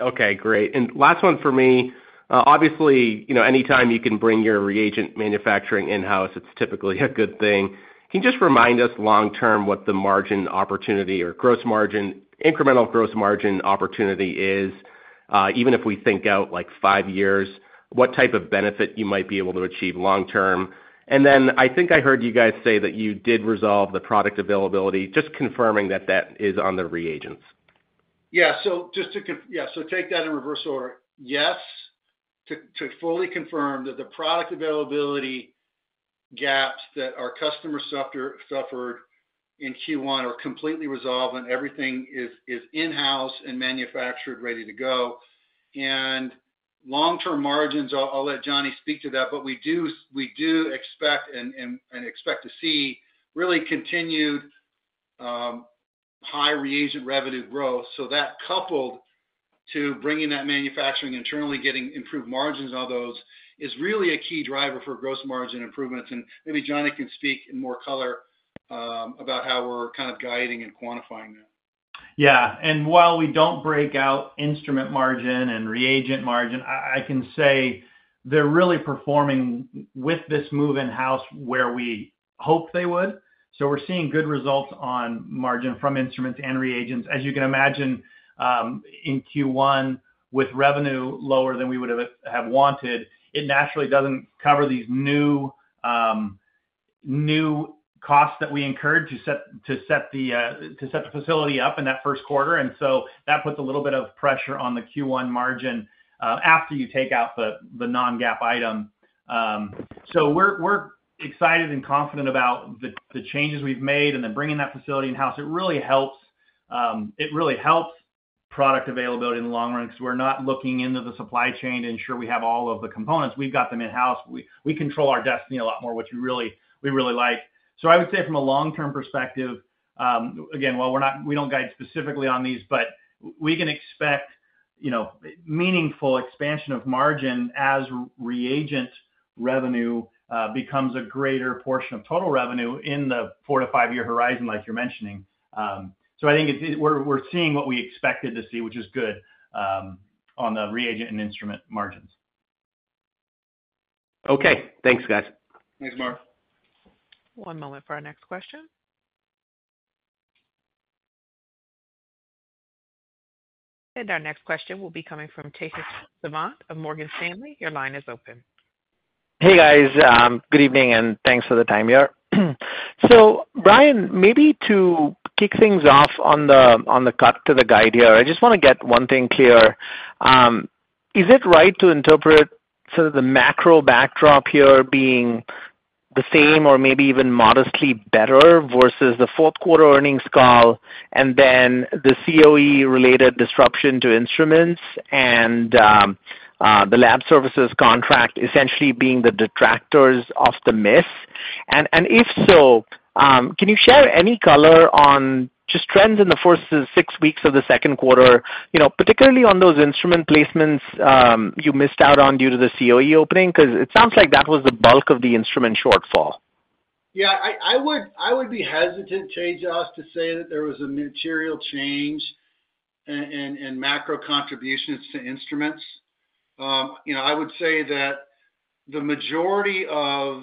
Okay. Great. And last one for me. Obviously, anytime you can bring your reagent manufacturing in-house, it's typically a good thing. Can you just remind us long-term what the margin opportunity or incremental gross margin opportunity is, even if we think out like five years, what type of benefit you might be able to achieve long-term? And then I think I heard you guys say that you did resolve the product availability, just confirming that that is on the reagents. Yeah. So just to yeah. So take that in reverse order. Yes, to fully confirm that the product availability gaps that our customer suffered in Q1 are completely resolved and everything is in-house and manufactured, ready to go. And long-term margins, I'll let Johnny speak to that. But we do expect to see really continued high reagent revenue growth. So that coupled to bringing that manufacturing internally, getting improved margins on those is really a key driver for gross margin improvements. And maybe Johnny can speak in more color about how we're kind of guiding and quantifying that. Yeah. While we don't break out instrument margin and reagent margin, I can say they're really performing with this move in-house where we hope they would. So we're seeing good results on margin from instruments and reagents. As you can imagine, in Q1, with revenue lower than we would have wanted, it naturally doesn't cover these new costs that we incurred to set the facility up in that first quarter. And so that puts a little bit of pressure on the Q1 margin after you take out the non-GAAP item. So we're excited and confident about the changes we've made and then bringing that facility in-house. It really helps product availability in the long run because we're not looking into the supply chain to ensure we have all of the components. We've got them in-house. We control our destiny a lot more, which we really like. So I would say from a long-term perspective, again, while we don't guide specifically on these, but we can expect meaningful expansion of margin as reagent revenue becomes a greater portion of total revenue in the 4- to 5-year horizon, like you're mentioning. So I think we're seeing what we expected to see, which is good on the reagent and instrument margins. Okay. Thanks, guys. Thanks, Mark. One moment for our next question. Our next question will be coming from Tejas Savant of Morgan Stanley. Your line is open. Hey, guys. Good evening, and thanks for the time here. So Brian, maybe to kick things off on the cut to the guide here, I just want to get one thing clear. Is it right to interpret sort of the macro backdrop here being the same or maybe even modestly better versus the fourth quarter earnings call and then the COE-related disruption to instruments and the lab services contract essentially being the detractors of the miss? And if so, can you share any color on just trends in the first six weeks of the second quarter, particularly on those instrument placements you missed out on due to the COE opening? Because it sounds like that was the bulk of the instrument shortfall. Yeah. I would be hesitant, Tejas, to say that there was a material change in macro contributions to instruments. I would say that the majority of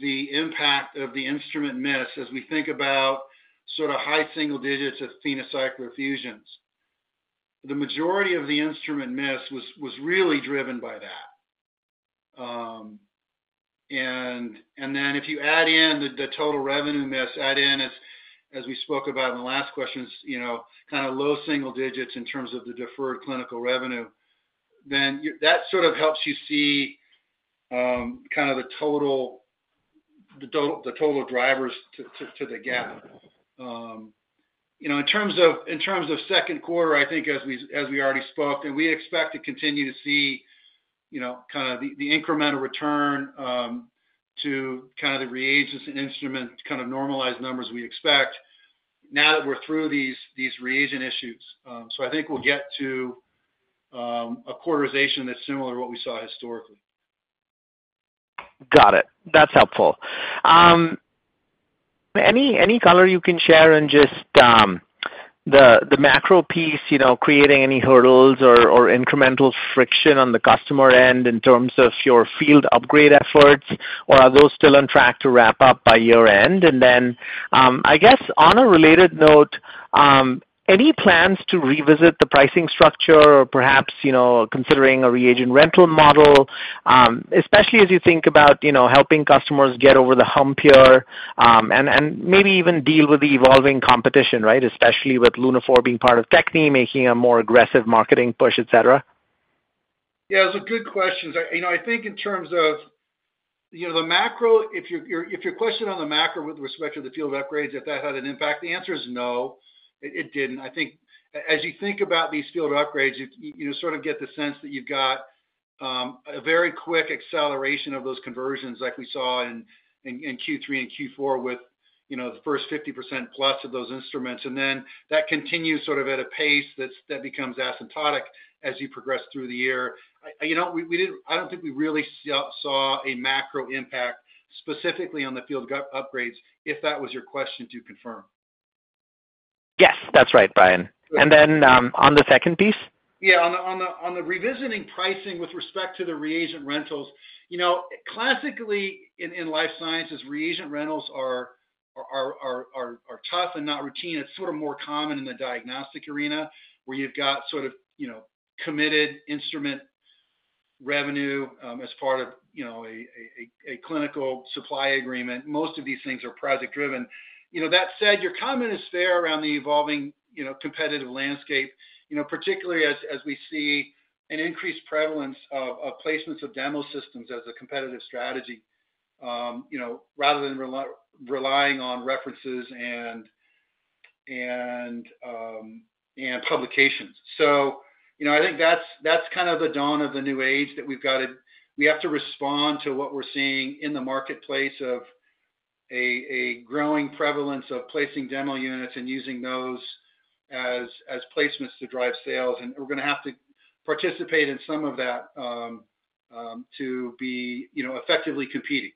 the impact of the instrument miss, as we think about sort of high single digits of PhenoCycler-Fusions, the majority of the instrument miss was really driven by that. Then if you add in the total revenue miss, add in, as we spoke about in the last questions, kind of low single digits in terms of the deferred clinical revenue, then that sort of helps you see kind of the total drivers to the gap. In terms of second quarter, I think, as we already spoke, and we expect to continue to see kind of the incremental return to kind of the reagents and instrument kind of normalized numbers we expect now that we're through these reagent issues. I think we'll get to a quarterization that's similar to what we saw historically. Got it. That's helpful. Any color you can share in just the macro piece, creating any hurdles or incremental friction on the customer end in terms of your field upgrade efforts, or are those still on track to wrap up by your end? And then I guess on a related note, any plans to revisit the pricing structure or perhaps considering a reagent rental model, especially as you think about helping customers get over the hump here and maybe even deal with the evolving competition, right, especially with Lunaphor being part of Techne, making a more aggressive marketing push, etc.? Yeah. Those are good questions. I think in terms of the macro, if your question on the macro with respect to the field upgrades, if that had an impact, the answer is no. It didn't. I think as you think about these field upgrades, you sort of get the sense that you've got a very quick acceleration of those conversions like we saw in Q3 and Q4 with the first 50%+ of those instruments. And then that continues sort of at a pace that becomes asymptotic as you progress through the year. I don't think we really saw a macro impact specifically on the field upgrades, if that was your question to confirm. Yes. That's right, Brian. And then on the second piece? Yeah. On the revisiting pricing with respect to the reagent rentals, classically in life sciences, reagent rentals are tough and not routine. It's sort of more common in the diagnostic arena where you've got sort of committed instrument revenue as part of a clinical supply agreement. Most of these things are project-driven. That said, your comment is fair around the evolving competitive landscape, particularly as we see an increased prevalence of placements of demo systems as a competitive strategy rather than relying on references and publications. So I think that's kind of the dawn of the new age that we've got to, we have to respond to what we're seeing in the marketplace of a growing prevalence of placing demo units and using those as placements to drive sales. And we're going to have to participate in some of that to be effectively competing.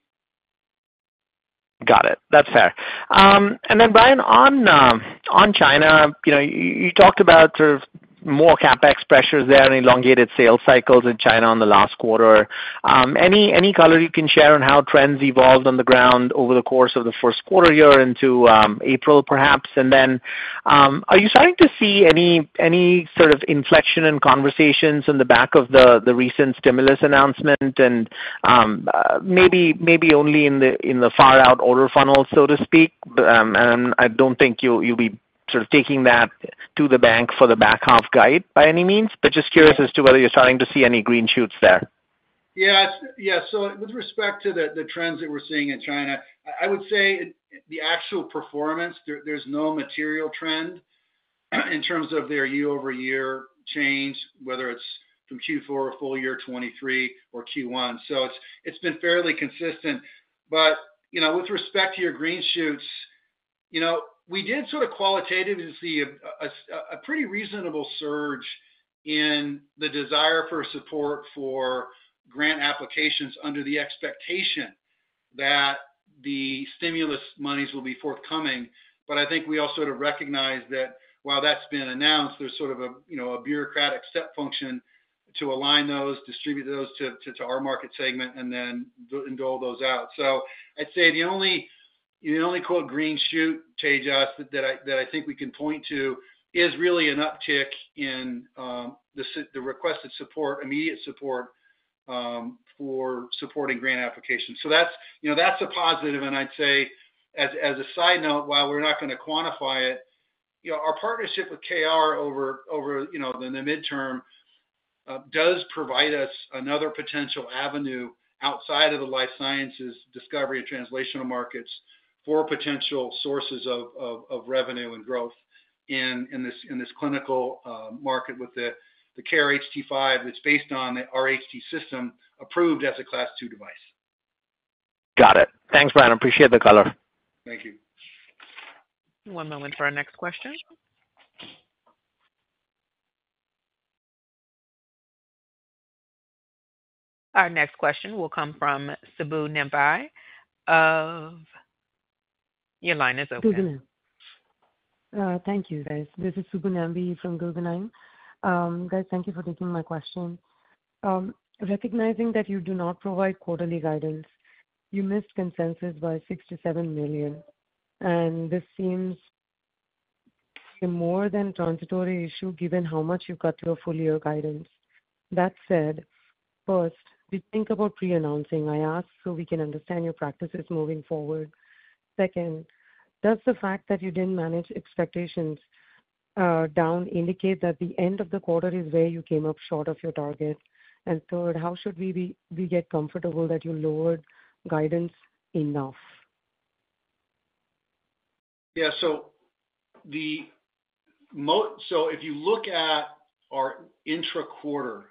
Got it. That's fair. And then, Brian, on China, you talked about sort of more CapEx pressures there and elongated sales cycles in China in the last quarter. Any color you can share on how trends evolved on the ground over the course of the first quarter here into April, perhaps? And then, are you starting to see any sort of inflection in conversations in the back of the recent stimulus announcement and maybe only in the far-out order funnel, so to speak? I don't think you'll be sort of taking that to the bank for the back half guide by any means, but just curious as to whether you're starting to see any green shoots there. Yeah. Yeah. So with respect to the trends that we're seeing in China, I would say the actual performance, there's no material trend in terms of their year-over-year change, whether it's from Q4 or full year 2023 or Q1. So it's been fairly consistent. But with respect to your green shoots, we did sort of qualitatively see a pretty reasonable surge in the desire for support for grant applications under the expectation that the stimulus monies will be forthcoming. But I think we also sort of recognize that while that's been announced, there's sort of a bureaucratic step function to align those, distribute those to our market segment, and then dole those out. So I'd say the only "green shoot," Tejas, that I think we can point to is really an uptick in the requested immediate support for supporting grant applications. So that's a positive. And I'd say as a side note, while we're not going to quantify it, our partnership with KR over the midterm does provide us another potential avenue outside of the life sciences discovery and translational markets for potential sources of revenue and growth in this clinical market with the KR-HT5 that's based on the HT system approved as a Class II device. Got it. Thanks, Brian. I appreciate the color. Thank you. One moment for our next question. Our next question will come from Subbu Nambi. Your line is open. Thank you, guys. This is Subbu Nambi from Guggenheim. Guys, thank you for taking my question. Recognizing that you do not provide quarterly guidance, you missed consensus by $6 million-$7 million. This seems a more than transitory issue given how much you cut your full-year guidance. That said, first, did you think about pre-announcing? I ask so we can understand your practices moving forward. Second, does the fact that you didn't manage expectations down indicate that the end of the quarter is where you came up short of your target? And third, how should we get comfortable that you lowered guidance enough? Yeah. So if you look at our intra-quarter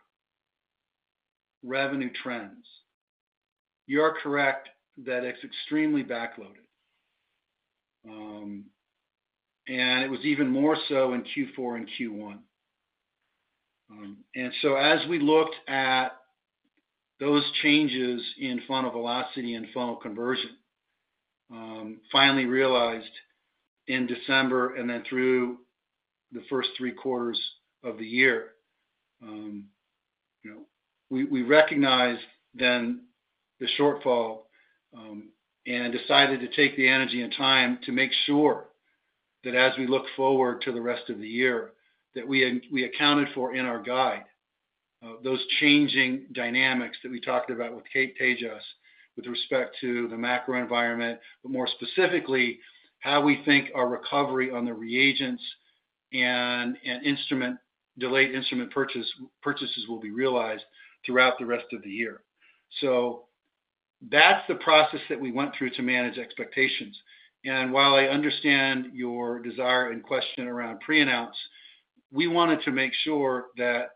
revenue trends, you are correct that it's extremely backloaded. And it was even more so in Q4 and Q1. And so as we looked at those changes in funnel velocity and funnel conversion, finally realized in December and then through the first three quarters of the year, we recognized then the shortfall and decided to take the energy and time to make sure that as we look forward to the rest of the year that we accounted for in our guide those changing dynamics that we talked about with Tejas with respect to the macro environment, but more specifically, how we think our recovery on the reagents and delayed instrument purchases will be realized throughout the rest of the year. So that's the process that we went through to manage expectations. While I understand your desire and question around pre-announce, we wanted to make sure that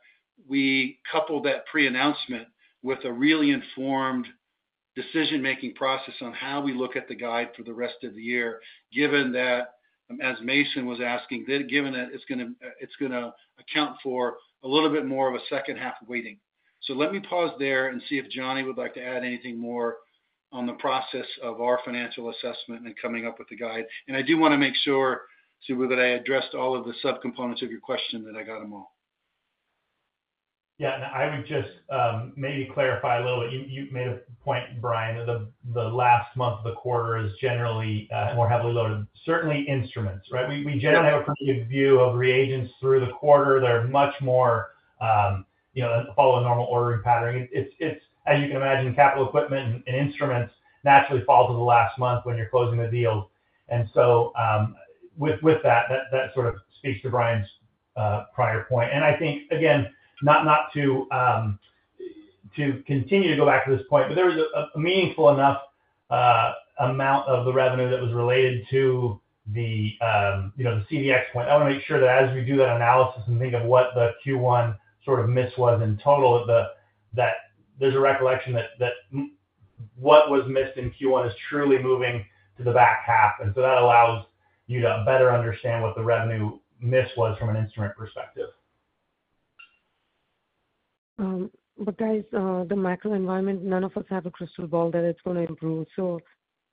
we coupled that pre-announcement with a really informed decision-making process on how we look at the guide for the rest of the year, given that, as Mason was asking, given that it's going to account for a little bit more of a second half waiting. Let me pause there and see if Johnny would like to add anything more on the process of our financial assessment and coming up with the guide. I do want to make sure, Subbu, that I addressed all of the subcomponents of your question that I got them all. Yeah. I would just maybe clarify a little bit. You made a point, Brian, that the last month of the quarter is generally more heavily loaded, certainly instruments, right? We generally have a pretty good view of reagents through the quarter. They're much more follow a normal ordering pattern. As you can imagine, capital equipment and instruments naturally fall to the last month when you're closing the deals. And so with that, that sort of speaks to Brian's prior point. And I think, again, not to continue to go back to this point, but there was a meaningful enough amount of the revenue that was related to the CDx point. I want to make sure that as we do that analysis and think of what the Q1 sort of miss was in total, that there's a recollection that what was missed in Q1 is truly moving to the back half. And so that allows you to better understand what the revenue miss was from an instrument perspective. But guys, the macro environment, none of us have a crystal ball that it's going to improve. So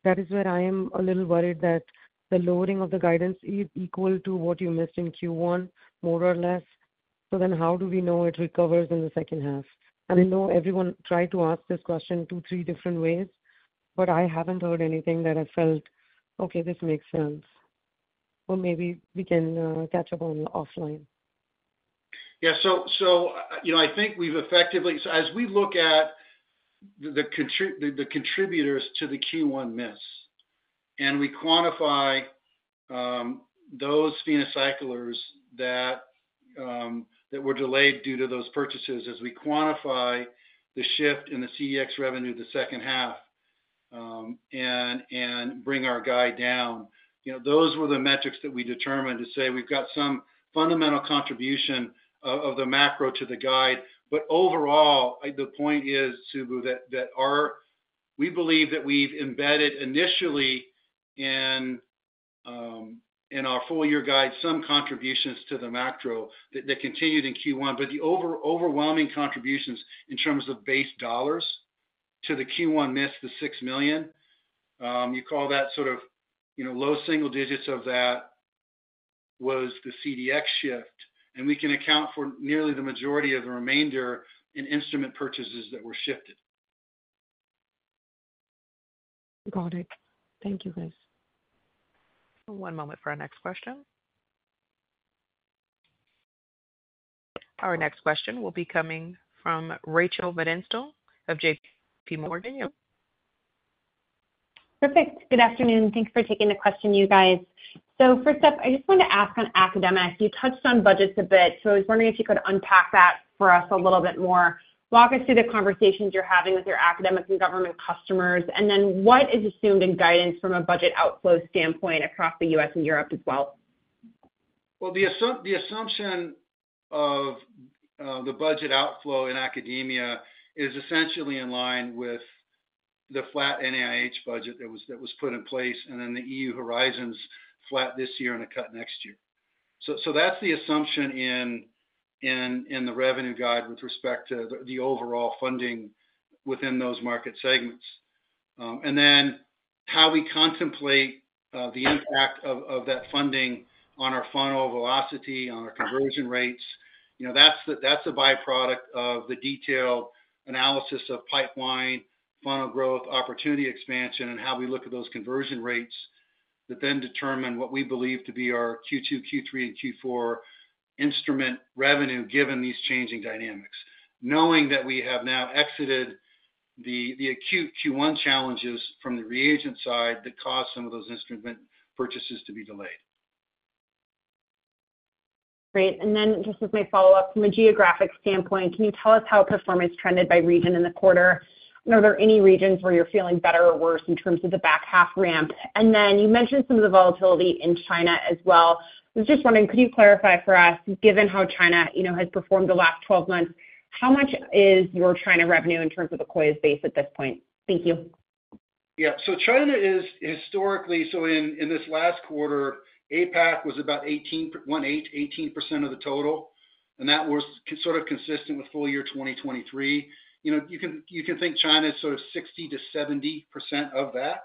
that is where I am a little worried that the lowering of the guidance is equal to what you missed in Q1, more or less. So then how do we know it recovers in the second half? And I know everyone tried to ask this question two, three different ways, but I haven't heard anything that I felt, "Okay, this makes sense." Or maybe we can catch up on offline. Yeah. So I think we've effectively so as we look at the contributors to the Q1 miss and we quantify those PhenoCyclers that were delayed due to those purchases, as we quantify the shift in the CapEx revenue the second half and bring our guide down, those were the metrics that we determined to say we've got some fundamental contribution of the macro to the guide. But overall, the point is, Subbu, that we believe that we've embedded initially in our full-year guide some contributions to the macro that continued in Q1. But the overwhelming contributions in terms of base dollars to the Q1 miss, the $6 million, you call that sort of low single digits of that was the CDx shift. And we can account for nearly the majority of the remainder in instrument purchases that were shifted. Got it. Thank you, guys. One moment for our next question. Our next question will be coming from Rachel Vatnsdal of J.P. Morgan. Yep. Perfect. Good afternoon. Thanks for taking the question, you guys. So first up, I just wanted to ask on academic. You touched on budgets a bit, so I was wondering if you could unpack that for us a little bit more. Walk us through the conversations you're having with your academic and government customers. And then what is assumed in guidance from a budget outflow standpoint across the U.S. and Europe as well? Well, the assumption of the budget outflow in academia is essentially in line with the flat NIH budget that was put in place and then the EU Horizons flat this year and a cut next year. So that's the assumption in the revenue guide with respect to the overall funding within those market segments. And then how we contemplate the impact of that funding on our funnel velocity, on our conversion rates, that's a byproduct of the detailed analysis of pipeline, funnel growth, opportunity expansion, and how we look at those conversion rates that then determine what we believe to be our Q2, Q3, and Q4 instrument revenue given these changing dynamics, knowing that we have now exited the acute Q1 challenges from the reagent side that caused some of those instrument purchases to be delayed. Great. And then just as my follow-up from a geographic standpoint, can you tell us how performance trended by region in the quarter? And are there any regions where you're feeling better or worse in terms of the back half ramp? And then you mentioned some of the volatility in China as well. I was just wondering, could you clarify for us, given how China has performed the last 12 months, how much is your China revenue in terms of the [COIS] base at this point? Thank you. Yeah. So China is historically so in this last quarter, APAC was about 18% of the total. And that was sort of consistent with full year 2023. You can think China is sort of 60%-70% of that.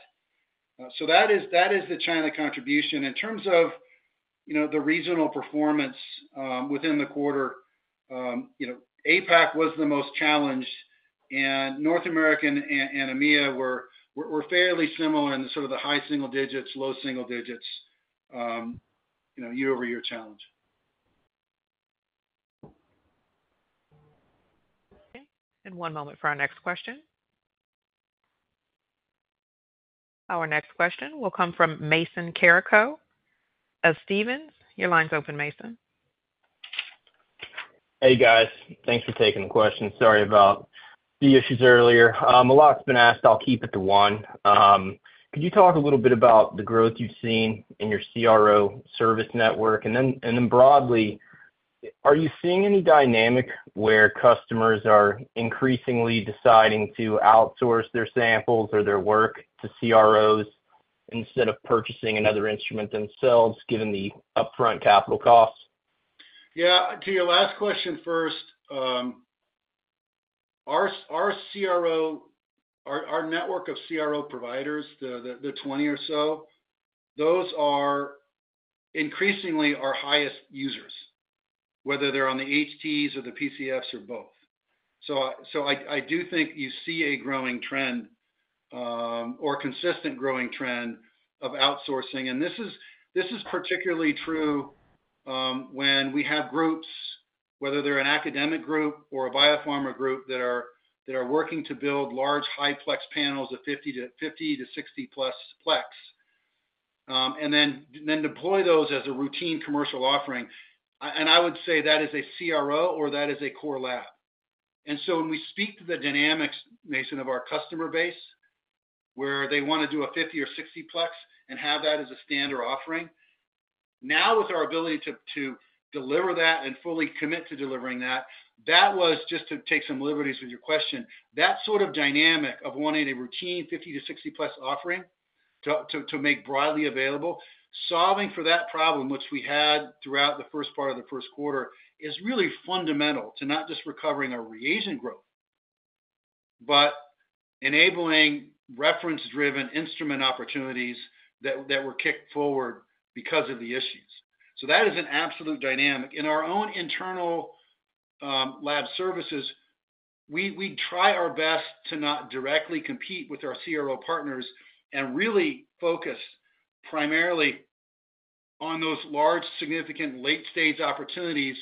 So that is the China contribution. In terms of the regional performance within the quarter, APAC was the most challenged. And North America and EMEA were fairly similar in sort of the high single digits, low single digits, year-over-year challenge. Okay. And one moment for our next question. Our next question will come from Mason Carrico at Stephens, your line's open, Mason. Hey, guys. Thanks for taking the question. Sorry about the issues earlier. A lot's been asked. I'll keep it to one. Could you talk a little bit about the growth you've seen in your CRO service network? And then broadly, are you seeing any dynamic where customers are increasingly deciding to outsource their samples or their work to CROs instead of purchasing another instrument themselves given the upfront capital costs? Yeah. To your last question first, our network of CRO providers, the 20 or so, those increasingly are highest users, whether they're on the HTs or the PCFs or both. So I do think you see a growing trend or consistent growing trend of outsourcing. And this is particularly true when we have groups, whether they're an academic group or a biopharma group, that are working to build large, high-plex panels of 50-60+ plex and then deploy those as a routine commercial offering. And I would say that is a CRO or that is a core lab. And so when we speak to the dynamics, Mason, of our customer base, where they want to do a 50 or 60 plex and have that as a standard offering, now with our ability to deliver that and fully commit to delivering that, that was just to take some liberties with your question, that sort of dynamic of wanting a routine 50 to 60+ offering to make broadly available, solving for that problem, which we had throughout the first part of the first quarter, is really fundamental to not just recovering our reagent growth but enabling reference-driven instrument opportunities that were kicked forward because of the issues. So that is an absolute dynamic. In our own internal lab services, we try our best to not directly compete with our CRO partners and really focus primarily on those large, significant late-stage opportunities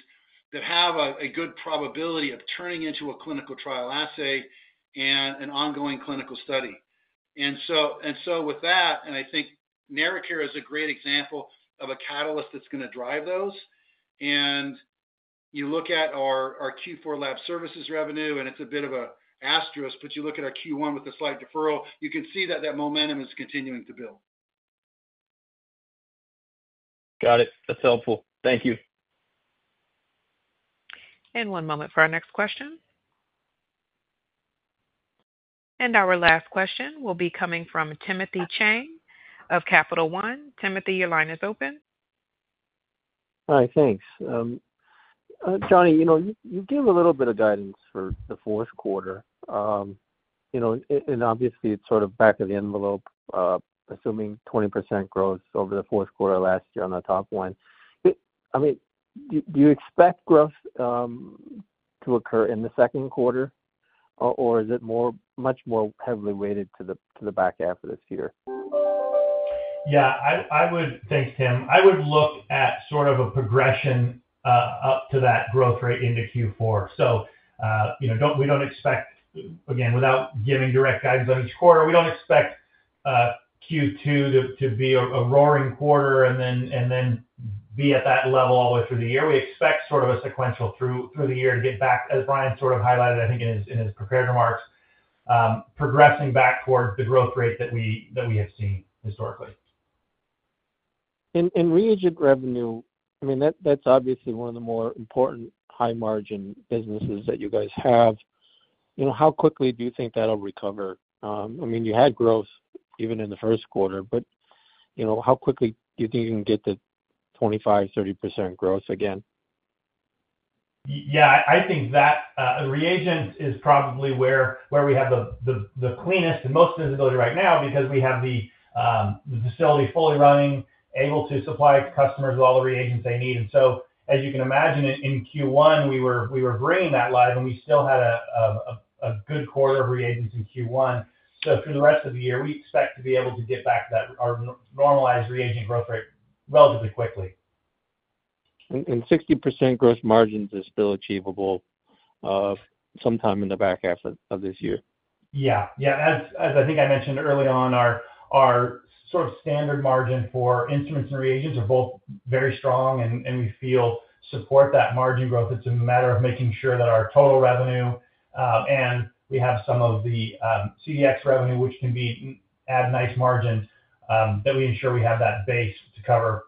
that have a good probability of turning into a clinical trial assay and an ongoing clinical study. And so with that, and I think NeraCare is a great example of a catalyst that's going to drive those. And you look at our Q4 lab services revenue, and it's a bit of an asterisk, but you look at our Q1 with a slight deferral, you can see that that momentum is continuing to build. Got it. That's helpful. Thank you. And one moment for our next question. And our last question will be coming from Timothy Chiang of Capital One. Timothy, your line is open. Hi. Thanks. Johnny, you gave a little bit of guidance for the fourth quarter. Obviously, it's sort of back of the envelope, assuming 20% growth over the fourth quarter last year on the top line. I mean, do you expect growth to occur in the second quarter, or is it much more heavily weighted to the back half of this year? Yeah. Thanks, Tim. I would look at sort of a progression up to that growth rate into Q4. So we don't expect again, without giving direct guidance on each quarter, we don't expect Q2 to be a roaring quarter and then be at that level all the way through the year. We expect sort of a sequential through the year to get back, as Brian sort of highlighted, I think in his prepared remarks, progressing back towards the growth rate that we have seen historically. In reagent revenue, I mean, that's obviously one of the more important high-margin businesses that you guys have. How quickly do you think that'll recover? I mean, you had growth even in the first quarter, but how quickly do you think you can get to 25%-30% growth again? Yeah. I think that reagents is probably where we have the cleanest and most visibility right now because we have the facility fully running, able to supply customers with all the reagents they need. And so as you can imagine, in Q1, we were bringing that live, and we still had a good quarter of reagents in Q1. So through the rest of the year, we expect to be able to get back to our normalized reagent growth rate relatively quickly. And 60% growth margins is still achievable sometime in the back half of this year? Yeah. Yeah. As I think I mentioned early on, our sort of standard margin for instruments and reagents are both very strong, and we feel support that margin growth. It's a matter of making sure that our total revenue and we have some of the CDX revenue, which can add nice margins, that we ensure we have that base to cover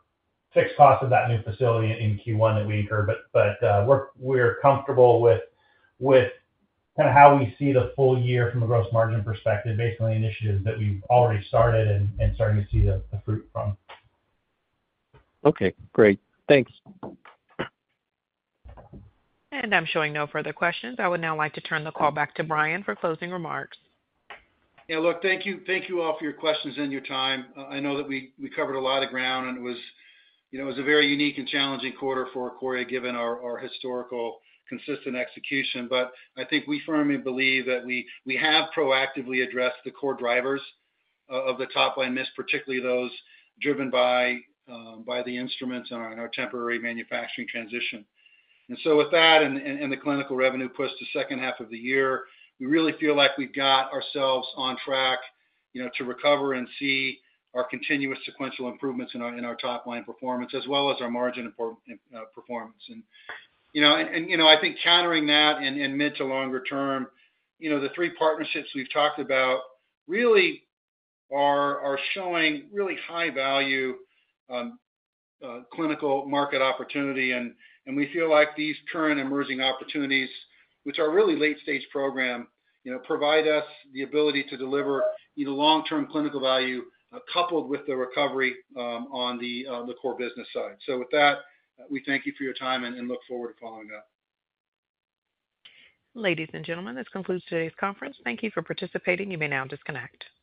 fixed costs of that new facility in Q1 that we incur. But we're comfortable with kind of how we see the full year from a gross margin perspective, basically initiatives that we've already started and starting to see the fruit from. Okay. Great. Thanks. I'm showing no further questions. I would now like to turn the call back to Brian for closing remarks. Yeah. Look, thank you all for your questions and your time. I know that we covered a lot of ground, and it was a very unique and challenging quarter for Akoya given our historical consistent execution. But I think we firmly believe that we have proactively addressed the core drivers of the top-line miss, particularly those driven by the instruments and our temporary manufacturing transition. And so with that and the clinical revenue push to second half of the year, we really feel like we've got ourselves on track to recover and see our continuous sequential improvements in our top-line performance as well as our margin performance. And I think countering that in mid- to longer-term, the three partnerships we've talked about really are showing really high-value clinical market opportunity. We feel like these current emerging opportunities, which are really late-stage program, provide us the ability to deliver long-term clinical value coupled with the recovery on the core business side. With that, we thank you for your time and look forward to following up. Ladies and gentlemen, this concludes today's conference. Thank you for participating. You may now disconnect.